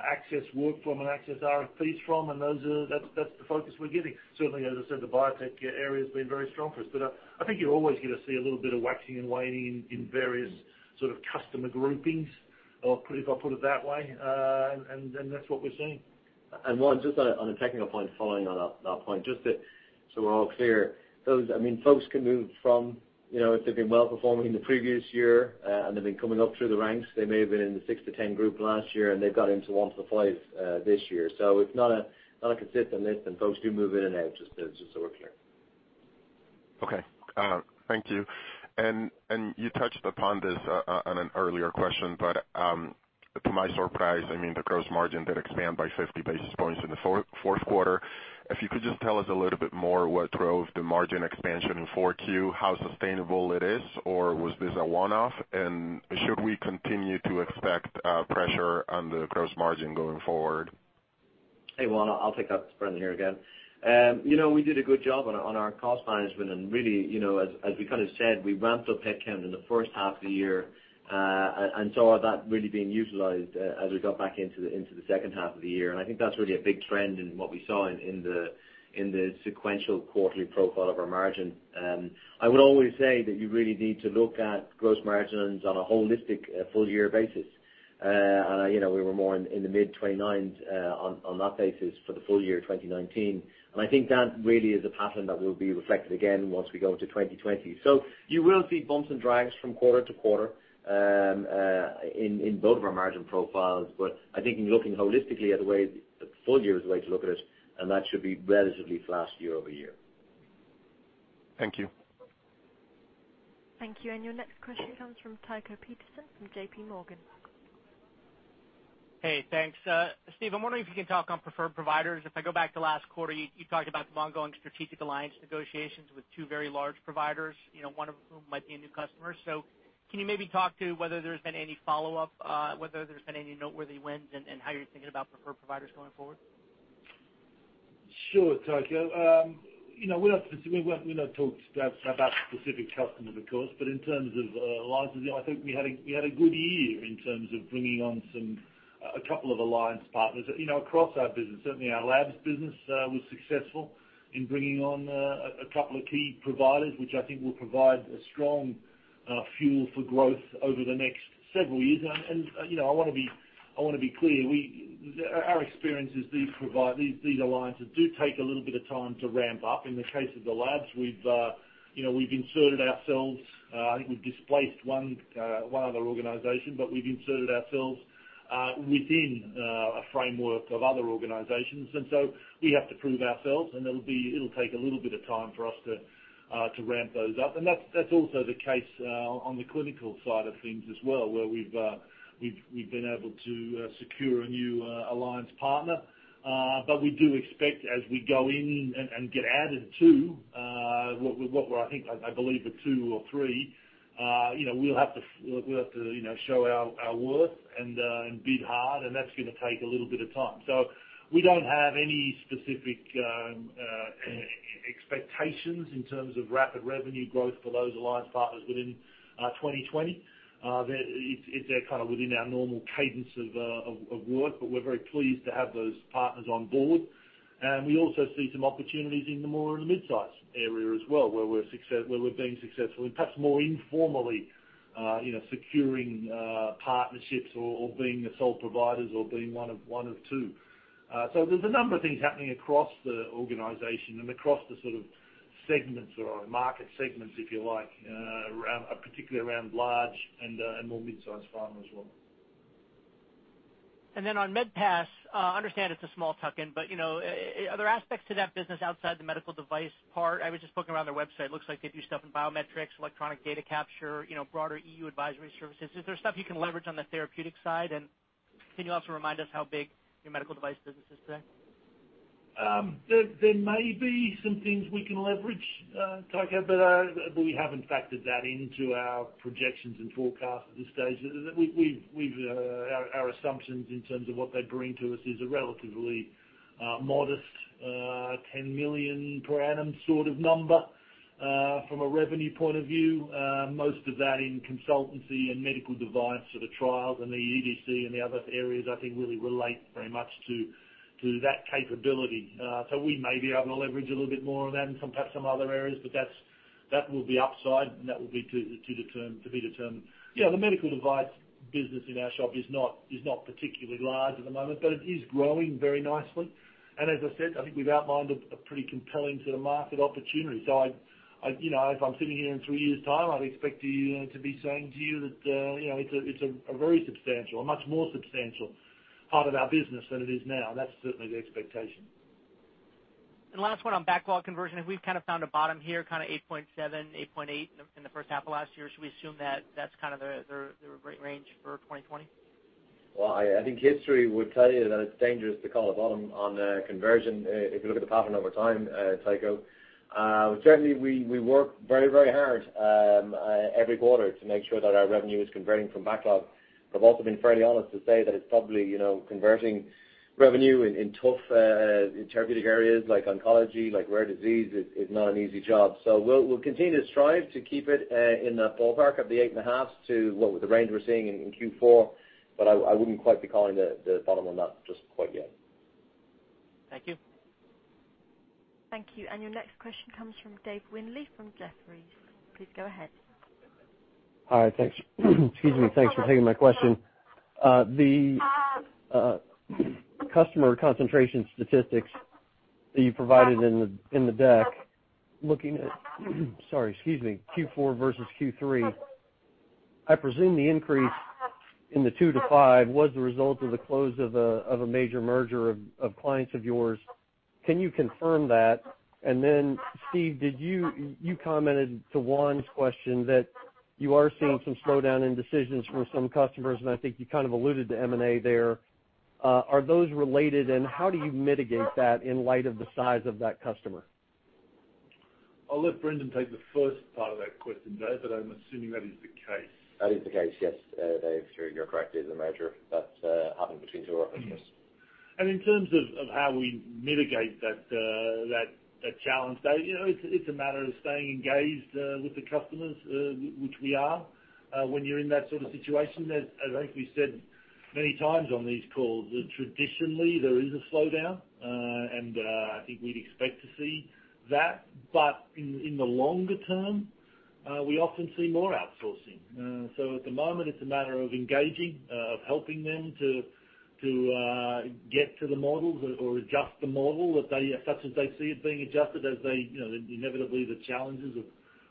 access work from and access RFPs from, and that's the focus we're giving. Certainly, as I said, the biotech area's been very strong for us. I think you're always going to see a little bit of waxing and waning in various customer groupings, if I put it that way. That's what we're seeing. Juan, just on a technical point, following on that point, just so we're all clear. Folks can move from, if they've been well-performing in the previous year, and they've been coming up through the ranks, they may have been in the 6-10 group last year, and they've got into one to five this year. It's not a consistent list, and folks do move in and out, just so we're clear. Okay. Thank you. You touched upon this on an earlier question, but to my surprise, the gross margin did expand by 50 basis points in the fourth quarter. If you could just tell us a little bit more what drove the margin expansion in 4Q, how sustainable it is, or was this a one-off, and should we continue to expect pressure on the gross margin going forward? Hey, Juan, I'll take that. Brendan here again. We did a good job on our cost management and really, as we said, we ramped up headcount in the first half of the year, and saw that really being utilized as we got back into the second half of the year. I think that's really a big trend in what we saw in the sequential quarterly profile of our margin. I would always say that you really need to look at gross margins on a holistic, full year basis. We were more in the mid 29% on that basis for the full year 2019. I think that really is a pattern that will be reflected again once we go into 2020. You will see bumps and drags from quarter to quarter in both of our margin profiles. I think in looking holistically at the way the full year is the way to look at it, and that should be relatively flat year-over-year. Thank you. Thank you. Your next question comes from Tycho Peterson from JPMorgan. Hey, thanks. Steve, I'm wondering if you can talk on preferred providers. If I go back to last quarter, you talked about some ongoing strategic alliance negotiations with two very large providers, one of whom might be a new customer. Can you maybe talk to whether there's been any follow-up, whether there's been any noteworthy wins, and how you're thinking about preferred providers going forward? Sure, Tycho. We'll not talk about specific customers, of course. In terms of alliances, I think we had a good year in terms of bringing on a couple of alliance partners across our business. Certainly, our labs business was successful in bringing on a couple of key providers, which I think will provide a strong fuel for growth over the next several years. I want to be clear. Our experience is these alliances do take a little bit of time to ramp up. In the case of the labs, we've inserted ourselves. I think we've displaced one other organization, but we've inserted ourselves within a framework of other organizations. We have to prove ourselves, and it'll take a little bit of time for us to ramp those up. That's also the case on the clinical side of things as well, where we've been able to secure a new alliance partner. We do expect as we go in and get added to what I believe are two or three, we'll have to show our worth and bid hard, and that's going to take a little bit of time. We don't have any specific expectations in terms of rapid revenue growth for those alliance partners within 2020. They're within our normal cadence of work. We're very pleased to have those partners on board. We also see some opportunities in the more mid-size area as well, where we're being successful, and perhaps more informally, securing partnerships or being the sole providers or being one of two. There's a number of things happening across the organization and across the sort of segments or market segments, if you like, particularly around large and more mid-size pharma as well. Then on MedPass, I understand it's a small tuck-in, are there aspects to that business outside the medical device part? I was just looking around their website. It looks like they do stuff in biometrics, electronic data capture, broader EU advisory services. Is there stuff you can leverage on the therapeutics side? Can you also remind us how big your medical device business is today? There may be some things we can leverage, Tycho, but we haven't factored that into our projections and forecasts at this stage. Our assumptions in terms of what they bring to us is a relatively modest, $10 million per annum sort of number from a revenue point of view. Most of that in consultancy and medical device sort of trials and the EDC and the other areas, I think, really relate very much to that capability. We may be able to leverage a little bit more of that in perhaps some other areas, but that will be upside and that will be to be determined. Yeah, the medical device business in our shop is not particularly large at the moment, but it is growing very nicely. As I said, I think we've outlined a pretty compelling sort of market opportunity. If I'm sitting here in three years' time, I'd expect to be saying to you that it's a very substantial, a much more substantial part of our business than it is now. That's certainly the expectation. Last one on backlog conversion. Have we kind of found a bottom here, kind of 8.7, 8.8 in the first half of last year? Should we assume that that's kind of the right range for 2020? Well, I think history would tell you that it's dangerous to call a bottom on conversion, if you look at the pattern over time, Tycho. Certainly, we work very hard every quarter to make sure that our revenue is converting from backlog. I've also been fairly honest to say that it's probably converting revenue in tough therapeutic areas like oncology, like rare disease. It's not an easy job. We'll continue to strive to keep it in the ballpark of the eight and a half's to what the range we're seeing in Q4. I wouldn't quite be calling the bottom on that just quite yet. Thank you. Thank you. Your next question comes from Dave Windley from Jefferies. Please go ahead. Hi. Excuse me, thanks for taking my question. The customer concentration statistics that you provided in the deck, looking at excuse me, Q4 versus Q3, I presume the increase in the two to five was the result of the close of a major merger of clients of yours. Can you confirm that? Steve, you commented to Juan's question that you are seeing some slowdown in decisions from some customers, and I think you kind of alluded to M&A there. Are those related and how do you mitigate that in light of the size of that customer? I'll let Brendan take the first part of that question, Dave, but I'm assuming that is the case. That is the case, yes, Dave. Sure, you're correct. There's a merger that's happened between two of our customers. In terms of how we mitigate that challenge, Dave, it's a matter of staying engaged with the customers, which we are. When you're in that sort of situation, as I think we said many times on these calls, traditionally, there is a slowdown. I think we'd expect to see that. In the longer term, we often see more outsourcing. At the moment, it's a matter of engaging, of helping them to get to the models or adjust the model such as they see it being adjusted. Inevitably, the challenges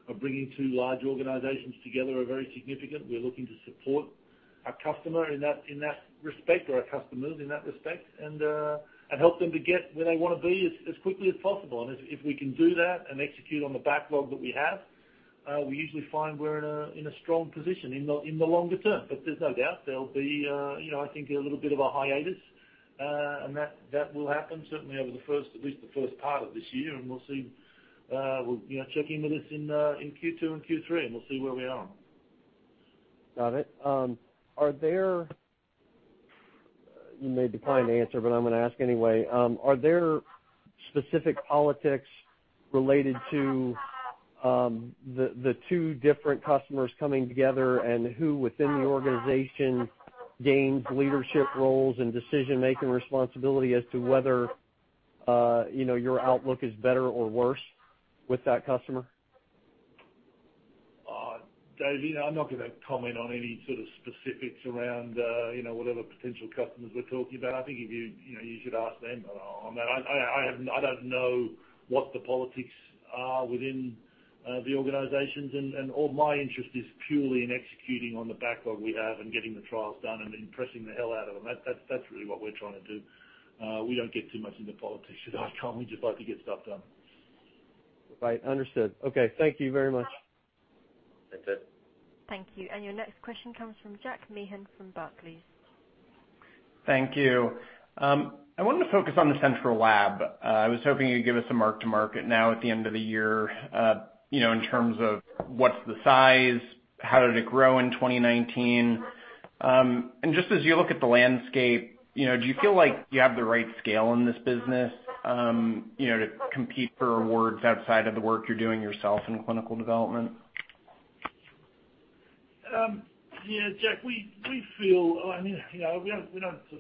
of bringing two large organizations together are very significant. We're looking to support our customer in that respect, or our customers in that respect, and help them to get where they want to be as quickly as possible. If we can do that and execute on the backlog that we have, we usually find we're in a strong position in the longer term. There's no doubt there'll be, I think, a little bit of a hiatus. That will happen certainly over at least the first part of this year, and we'll see. Check in with us in Q2 and Q3, and we'll see where we are. Got it. You may decline the answer, but I'm going to ask anyway. Are there specific politics related to the two different customers coming together, and who within the organization gains leadership roles and decision-making responsibility as to whether your outlook is better or worse with that customer? Dave, I'm not going to comment on any sort of specifics around whatever potential customers we're talking about. I think you should ask them. I don't know what the politics are within the organizations. All my interest is purely in executing on the backlog we have and getting the trials done and then pressing the hell out of them. That's really what we're trying to do. We don't get too much into politics at ICON. We just like to get stuff done. Right. Understood. Okay. Thank you very much. Thanks, Dave. Thank you. Your next question comes from Jack Meehan from Barclays. Thank you. I wanted to focus on the central lab. I was hoping you'd give us a mark to market now at the end of the year, in terms of what's the size? How did it grow in 2019? Just as you look at the landscape, do you feel like you have the right scale in this business to compete for awards outside of the work you're doing yourself in clinical development? Yeah, Jack, we don't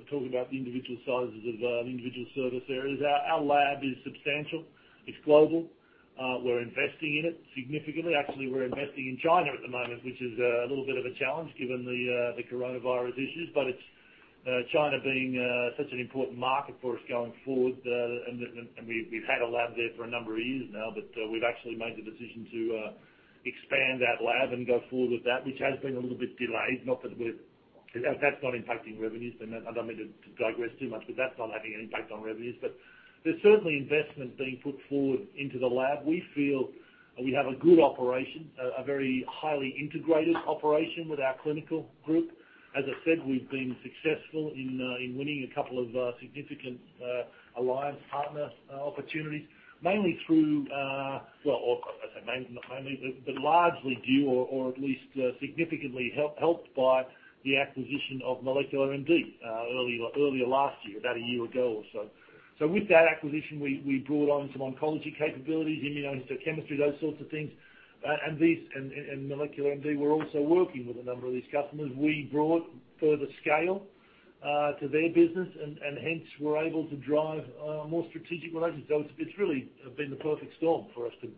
talk about the individual sizes of individual service areas. Our lab is substantial. It's global. We're investing in it significantly. Actually, we're investing in China at the moment, which is a little bit of a challenge given the coronavirus issues. China being such an important market for us going forward, and we've had a lab there for a number of years now, but we've actually made the decision to expand that lab and go forward with that, which has been a little bit delayed. That's not impacting revenues. I don't mean to digress too much, but that's not having an impact on revenues. There's certainly investment being put forward into the lab. We feel we have a good operation, a very highly integrated operation with our clinical group. As I said, we've been successful in winning a couple of significant alliance partner opportunities, mainly through, well, not mainly, but largely due or at least significantly helped by the acquisition of MolecularMD earlier last year, about a year ago or so. With that acquisition, we brought on some oncology capabilities, immunohistochemistry, those sorts of things. MolecularMD were also working with a number of these customers. We brought further scale to their business, and hence, we're able to drive more strategic relations. It's really been the perfect storm for us to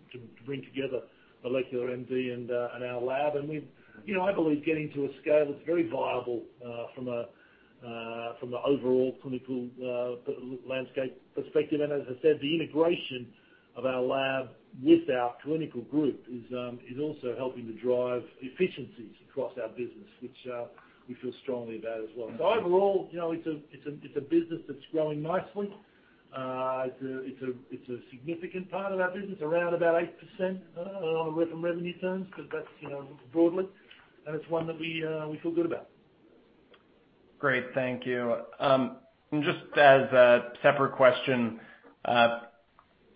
bring together MolecularMD and our lab. I believe getting to a scale that's very viable from the overall clinical landscape perspective. As I said, the integration of our lab with our clinical group is also helping to drive efficiencies across our business, which we feel strongly about as well. Overall, it's a business that's growing nicely. It's a significant part of our business, around about 8% on revenue terms, and it's one that we feel good about. Great. Thank you. Just as a separate question,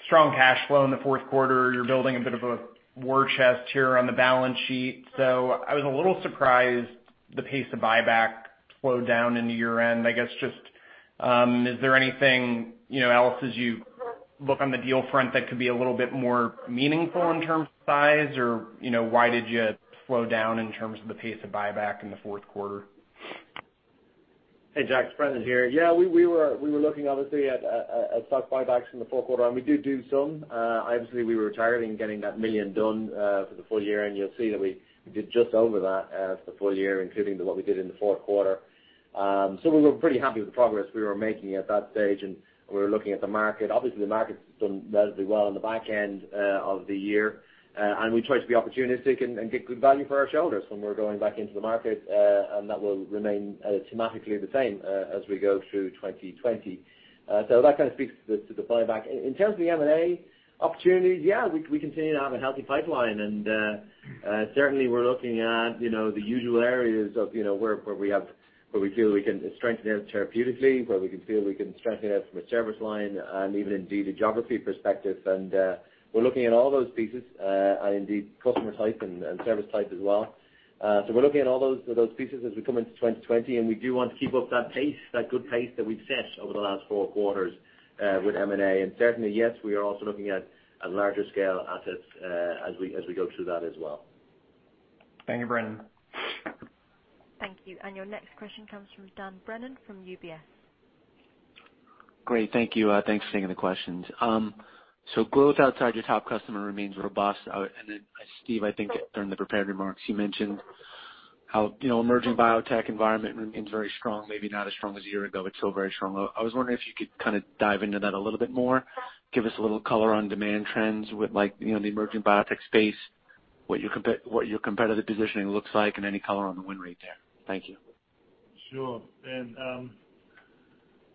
strong cash flow in the fourth quarter. You're building a bit of a war chest here on the balance sheet. I was a little surprised the pace of buyback slowed down into year-end. I guess, is there anything else, as you look on the deal front that could be a little bit more meaningful in terms of size, or why did you slow down in terms of the pace of buyback in the fourth quarter? Hey, Jack, it's Brendan here. Yeah, we were looking obviously at stock buybacks in the fourth quarter, and we do some. Obviously, we were targeting getting that $1 million done for the full year, and you'll see that we did just over that as the full year, including what we did in the fourth quarter. We were pretty happy with the progress we were making at that stage, and we were looking at the market. Obviously, the market's done relatively well on the back end of the year. We try to be opportunistic and get good value for our shareholders when we're going back into the market, and that will remain thematically the same as we go through 2020. That kind of speaks to the buyback. In terms of the M&A opportunities, yeah, we continue to have a healthy pipeline and, certainly we're looking at the usual areas of where we feel we can strengthen out therapeutically, where we feel we can strengthen out from a service line and even indeed a geography perspective. We're looking at all those pieces and indeed customer type and service type as well. We're looking at all those pieces as we come into 2020, and we do want to keep up that pace, that good pace that we've set over the last four quarters with M&A. Certainly, yes, we are also looking at larger scale assets as we go through that as well. Thank you, Brendan. Thank you. Your next question comes from Dan Brennan from UBS. Great. Thank you. Thanks for taking the questions. Growth outside your top customer remains robust. Then Steve, I think during the prepared remarks, you mentioned how emerging biotech environment remains very strong, maybe not as strong as a year ago, but still very strong. I was wondering if you could kind of dive into that a little bit more, give us a little color on demand trends with the emerging biotech space, what your competitive positioning looks like, and any color on the win rate there. Thank you. Sure. I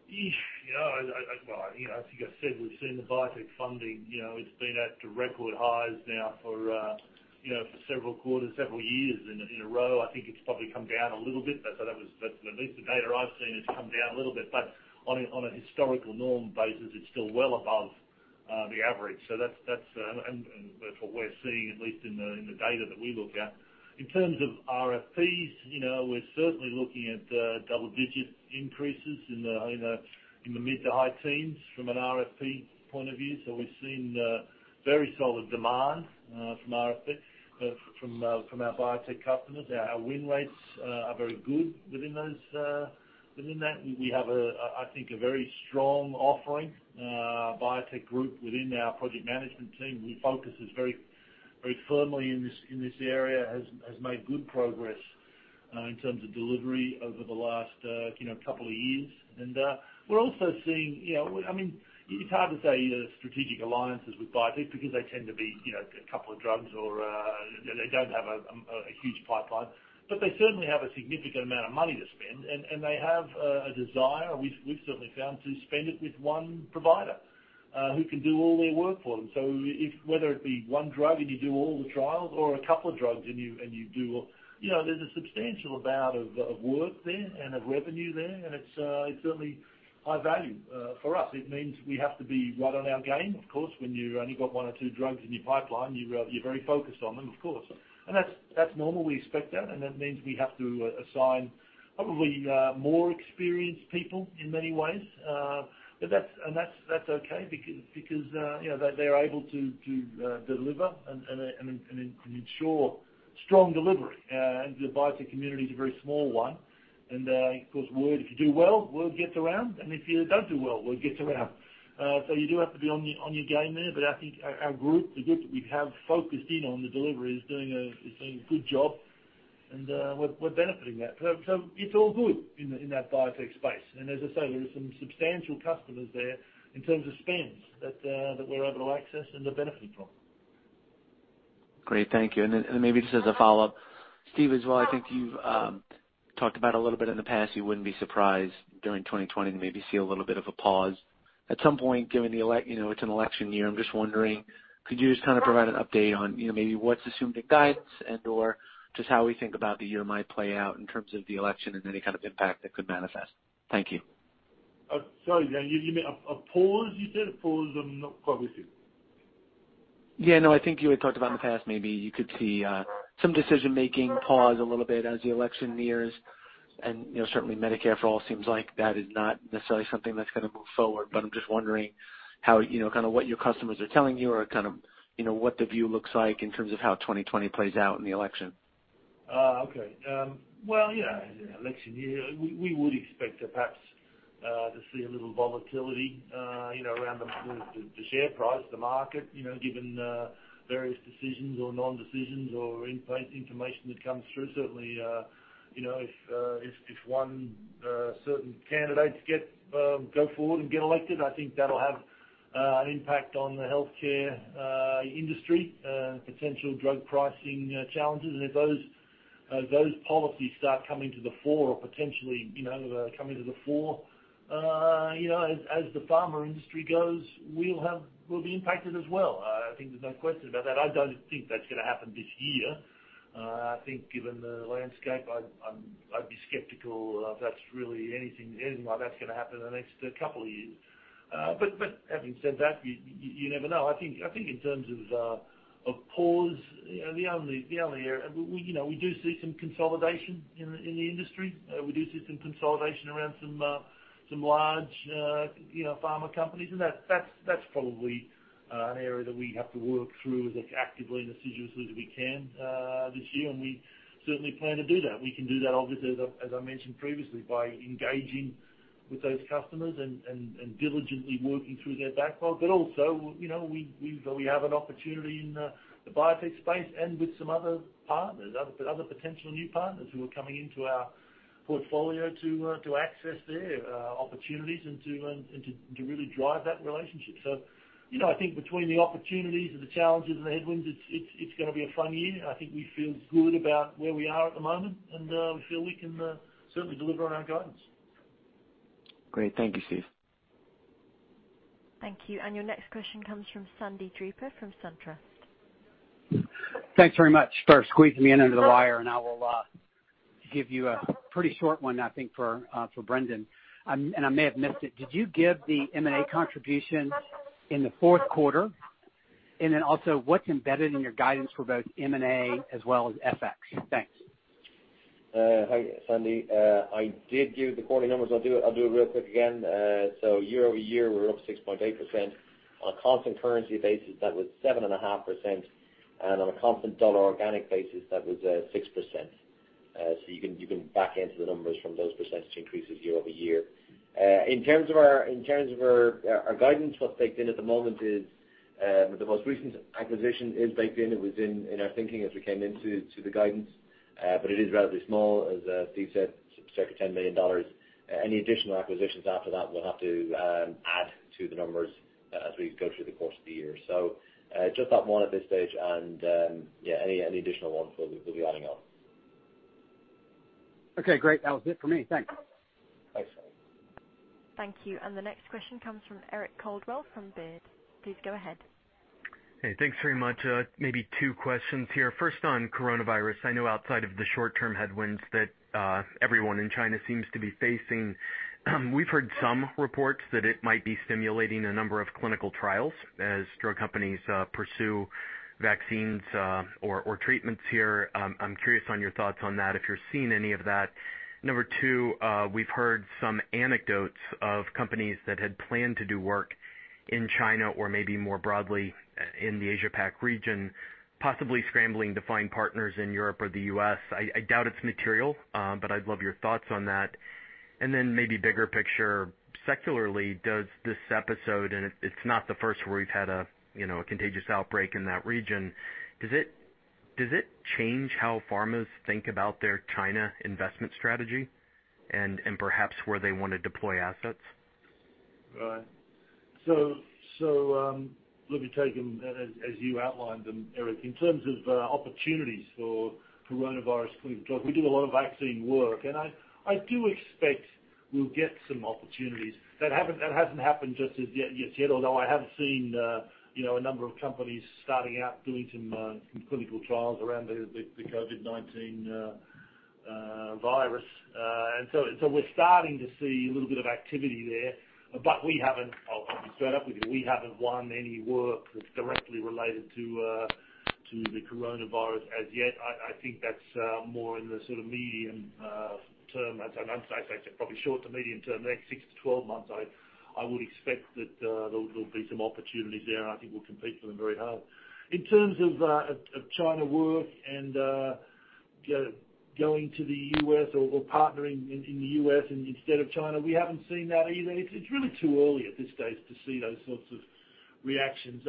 think I said we've seen the biotech funding, it's been at the record highs now for several quarters, several years in a row. I think it's probably come down a little bit. At least the data I've seen, it's come down a little bit, but on a historical norm basis, it's still well above the average. That's what we're seeing, at least in the data that we look at. In terms of RFPs, we're certainly looking at double-digit increases in the mid to high teens from an RFP point of view. We've seen very solid demand from our biotech customers. Our win rates are very good within that. We have, I think, a very strong offering, a biotech group within our project management team who focuses very firmly in this area, has made good progress in terms of delivery over the last couple of years. We're also seeing, it's hard to say strategic alliances with biotech because they tend to be a couple of drugs or they don't have a huge pipeline, but they certainly have a significant amount of money to spend, and they have a desire, we've certainly found, to spend it with one provider who can do all their work for them. Whether it be one drug and you do all the trials. There's a substantial amount of work there and of revenue there, and it's certainly high value for us. It means we have to be right on our game, of course. When you've only got one or two drugs in your pipeline, you're very focused on them, of course. That's normal. We expect that, and that means we have to assign probably more experienced people in many ways. That's okay because they're able to deliver and ensure strong delivery. The biotech community is a very small one. Of course, if you do well, word gets around, and if you don't do well, word gets around. You do have to be on your game there. I think our group, the group that we have focused in on the delivery, is doing a good job, and we're benefiting that. It's all good in that biotech space. As I say, there are some substantial customers there in terms of spends that we're able to access and are benefiting from. Great. Thank you. Maybe just as a follow-up, Steve, as well, I think you've talked about a little bit in the past, you wouldn't be surprised during 2020 to maybe see a little bit of a pause at some point, given it's an election year. I'm just wondering, could you just provide an update on maybe what's assumed in guidance and/or just how we think about the year might play out in terms of the election and any kind of impact that could manifest? Thank you. Sorry. You mean a pause, you said? Pause on what, exactly? Yeah, no, I think you had talked about in the past, maybe you could see some decision-making pause a little bit as the election nears. Certainly Medicare for all seems like that is not necessarily something that's going to move forward. I'm just wondering what your customers are telling you or what the view looks like in terms of how 2020 plays out in the election. Okay. Well, yeah. In an election year, we would expect perhaps to see a little volatility around the share price, the market, given various decisions or non-decisions or information that comes through. Certainly, if one certain candidates go forward and get elected, I think that'll have an impact on the healthcare industry, potential drug pricing challenges. If those policies start coming to the fore or potentially come into the fore, as the pharma industry goes, we'll be impacted as well. I think there's no question about that. I don't think that's going to happen this year. I think given the landscape, I'd be skeptical if that's really anything like that's going to happen in the next couple of years. Having said that, you never know. I think in terms of pause, the only area, we do see some consolidation in the industry. We do see some consolidation around some large pharma companies, and that's probably an area that we have to work through as actively and assiduously as we can this year, and we certainly plan to do that. We can do that, obviously, as I mentioned previously, by engaging with those customers and diligently working through their backlog. Also, we have an opportunity in the biotech space and with some other partners, other potential new partners who are coming into our portfolio to access their opportunities and to really drive that relationship. I think between the opportunities and the challenges and the headwinds, it's going to be a fun year. I think we feel good about where we are at the moment, and we feel we can certainly deliver on our guidance. Great. Thank you, Steve. Thank you. Your next question comes from Sandy Draper from SunTrust. Thanks very much for squeezing me in under the wire. I will give you a pretty short one, I think, for Brendan. I may have missed it. Did you give the M&A contribution in the fourth quarter? Also, what's embedded in your guidance for both M&A as well as FX? Thanks. Hi, Sandy. I did give the quarterly numbers. I'll do it real quick again. Year-over-year, we're up 6.8%. On a constant currency basis, that was 7.5%. On a constant dollar organic basis, that was 6%. You can back into the numbers from those percentage increases year-over-year. In terms of our guidance, what's baked in at the moment is, the most recent acquisition is baked in. It was in our thinking as we came into the guidance. It is relatively small, as Steve said, circa $10 million. Any additional acquisitions after that will have to add to the numbers as we go through the course of the year. Just that one at this stage and any additional ones we'll be adding up. Okay, great. That was it for me. Thanks. Thanks. Thank you. The next question comes from Eric Coldwell from Baird. Please go ahead. Hey, thanks very much. Maybe two questions here. First, on coronavirus. I know outside of the short-term headwinds that everyone in China seems to be facing, we've heard some reports that it might be stimulating a number of clinical trials as drug companies pursue vaccines or treatments here. I'm curious on your thoughts on that, if you're seeing any of that. Number two, we've heard some anecdotes of companies that had planned to do work in China or maybe more broadly in the Asia Pac region, possibly scrambling to find partners in Europe or the U.S. I doubt it's material, but I'd love your thoughts on that. Then maybe bigger picture, secularly, does this episode, and it's not the first where we've had a contagious outbreak in that region, does it change how pharmas think about their China investment strategy and perhaps where they want to deploy assets? Right. Let me take them as you outlined them, Eric. In terms of opportunities for coronavirus clinical trials, we do a lot of vaccine work, and I do expect we'll get some opportunities. That hasn't happened just as yet, although I have seen a number of companies starting out doing some clinical trials around the COVID-19 virus. We're starting to see a little bit of activity there, but we haven't, I'll be straight up with you, we haven't won any work that's directly related to the coronavirus as yet. I think that's more in the medium term. As I say, probably short to medium term, the next 6-12 months, I would expect that there'll be some opportunities there, and I think we'll compete for them very hard. In terms of China work and going to the U.S. or partnering in the U.S. instead of China, we haven't seen that either. It's really too early at this stage to see those sorts of reactions.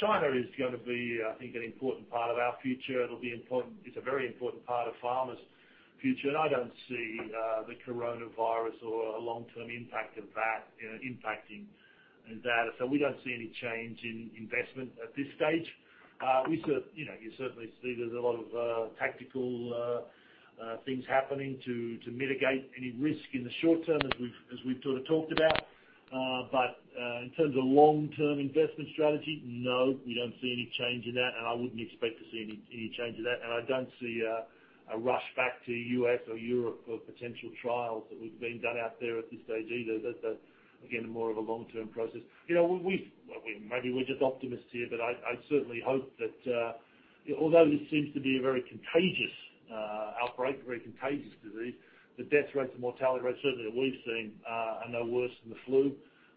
China is going to be, I think, an important part of our future. It's a very important part of pharma's future. I don't see the coronavirus or a long-term impact of that impacting that. We don't see any change in investment at this stage. You certainly see there's a lot of tactical things happening to mitigate any risk in the short term as we've talked about. In terms of long-term investment strategy, no, we don't see any change in that, and I wouldn't expect to see any change in that. I don't see a rush back to U.S. or Europe for potential trials that have been done out there at this stage either. That's, again, more of a long-term process. Maybe we're just optimists here, but I certainly hope that although this seems to be a very contagious outbreak, a very contagious disease, the death rates and mortality rates certainly that we've seen are no worse than the flu.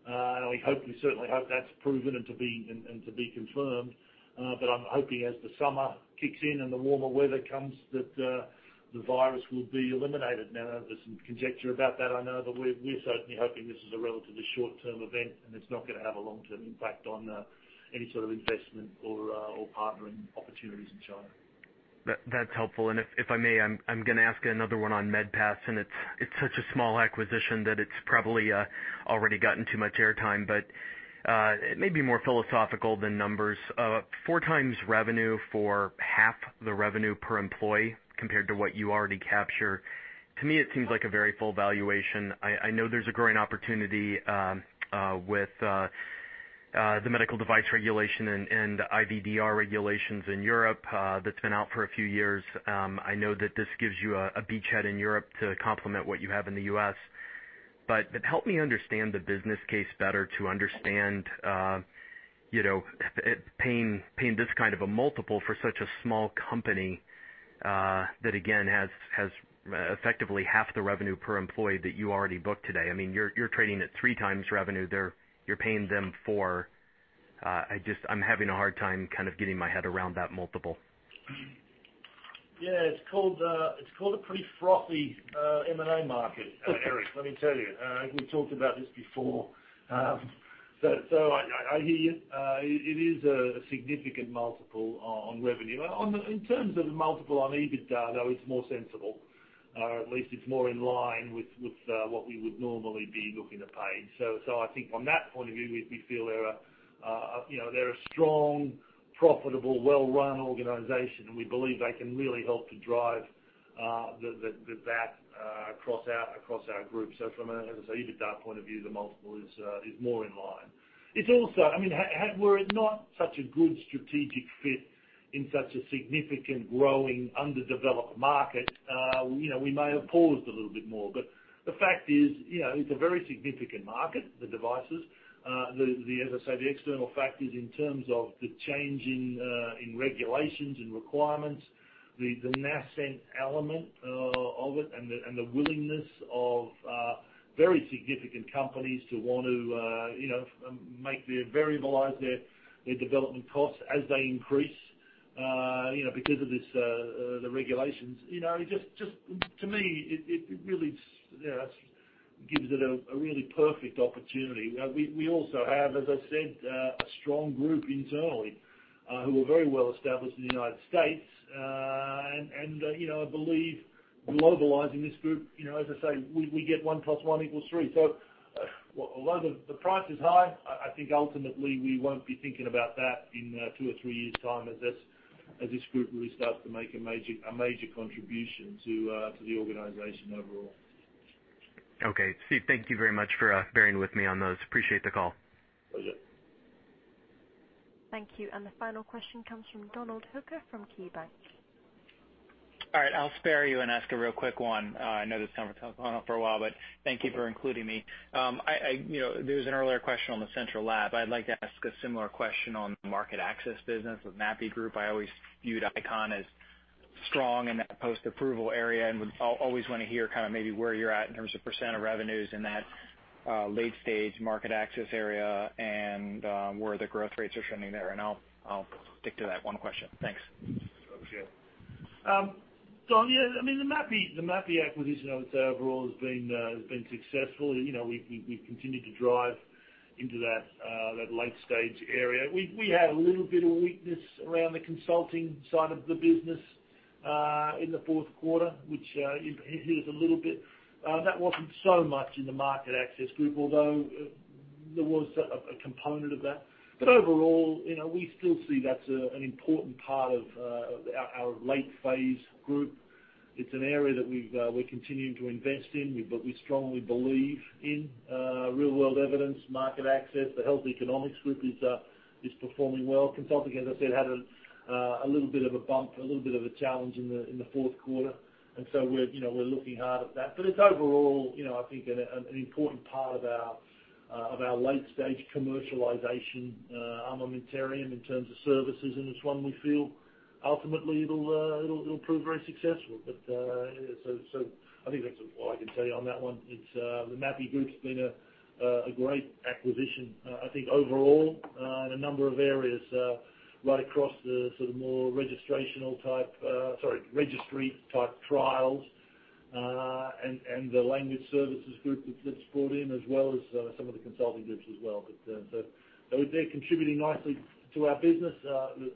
We certainly hope that's proven and to be confirmed. I'm hoping as the summer kicks in and the warmer weather comes, that the virus will be eliminated. Now, there's some conjecture about that, I know, but we're certainly hoping this is a relatively short-term event, and it's not going to have a long-term impact on any sort of investment or partnering opportunities in China. That's helpful. If I may, I'm going to ask another one on MedPass, and it's such a small acquisition that it's probably already gotten too much air time. It may be more philosophical than numbers. 4x revenue for half the revenue per employee compared to what you already capture, to me, it seems like a very full valuation. I know there's a growing opportunity with the medical device regulation and IVDR regulations in Europe that's been out for a few years. I know that this gives you a beachhead in Europe to complement what you have in the U.S. Help me understand the business case better to understand paying this kind of a multiple for such a small company that, again, has effectively half the revenue per employee that you already booked today. You're trading at 3x revenue there. You're paying them 4x. I'm having a hard time getting my head around that multiple. Yeah. It's called a pretty frothy M&A market Eric, let me tell you. I hear you. It is a significant multiple on revenue. In terms of the multiple on EBITDA, though, it's more sensible, or at least it's more in line with what we would normally be looking to pay. I think from that point of view, we feel they're a strong, profitable, well-run organization, and we believe they can really help to drive the VAT across our group. From a, as I say, EBITDA point of view, the multiple is more in line. Were it not such a good strategic fit in such a significant, growing, underdeveloped market, we may have paused a little bit more. The fact is, it's a very significant market, the devices. As I say, the external factors in terms of the change in regulations and requirements, the nascent element of it, and the willingness of very significant companies to want to variabilize their development costs as they increase because of the regulations. To me, it gives it a really perfect opportunity. We also have, as I said, a strong group internally who are very well established in the U.S. I believe globalizing this group, as I say, we get one plus one equals three. Although the price is high, I think ultimately we won't be thinking about that in two or three years' time as this group really starts to make a major contribution to the organization overall. Okay. Steve, thank you very much for bearing with me on those. Appreciate the call. Pleasure. Thank you. The final question comes from Donald Hooker from KeyBanc. All right, I'll spare you and ask a real quick one. I know this conference has gone on for a while, but thank you for including me. There was an earlier question on the central lab. I'd like to ask a similar question on the market access business with Mapi Group. I always viewed ICON as strong in that post-approval area and would always want to hear maybe where you're at in terms of percent of revenues in that late stage market access area and where the growth rates are trending there. I'll stick to that one question. Thanks. Appreciate it. Don, yeah, the Mapi acquisition, I would say, overall has been successful. We've continued to drive into that late stage area. We had a little bit of weakness around the consulting side of the business in the fourth quarter, which hit us a little bit. That wasn't so much in the market access group, although there was a component of that. Overall, we still see that's an important part of our late phase group. It's an area that we're continuing to invest in. We strongly believe in real-world evidence, market access. The health economics group is performing well. Consulting, as I said, had a little bit of a bump, a little bit of a challenge in the fourth quarter. We're looking hard at that. It's overall I think an important part of our late-stage commercialization armamentarium in terms of services, and it's one we feel ultimately it'll prove very successful. I think that's all I can tell you on that one. The Mapi Group's been a great acquisition. I think overall, in a number of areas right across the more registrational type, sorry, registry type trials, and the language services group that's brought in, as well as some of the consulting groups as well. They're contributing nicely to our business.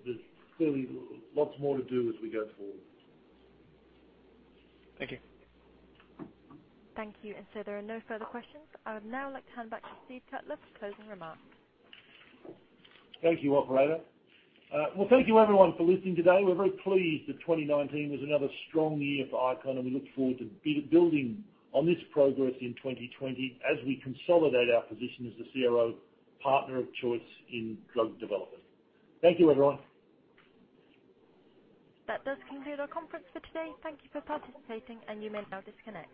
There's clearly lots more to do as we go forward. Thank you. Thank you. There are no further questions. I would now like to hand back to Steve Cutler for closing remarks. Thank you, operator. Well, thank you everyone for listening today. We're very pleased that 2019 was another strong year for ICON, and we look forward to building on this progress in 2020 as we consolidate our position as the CRO partner of choice in drug development. Thank you, everyone. That does conclude our conference for today. Thank you for participating, and you may now disconnect.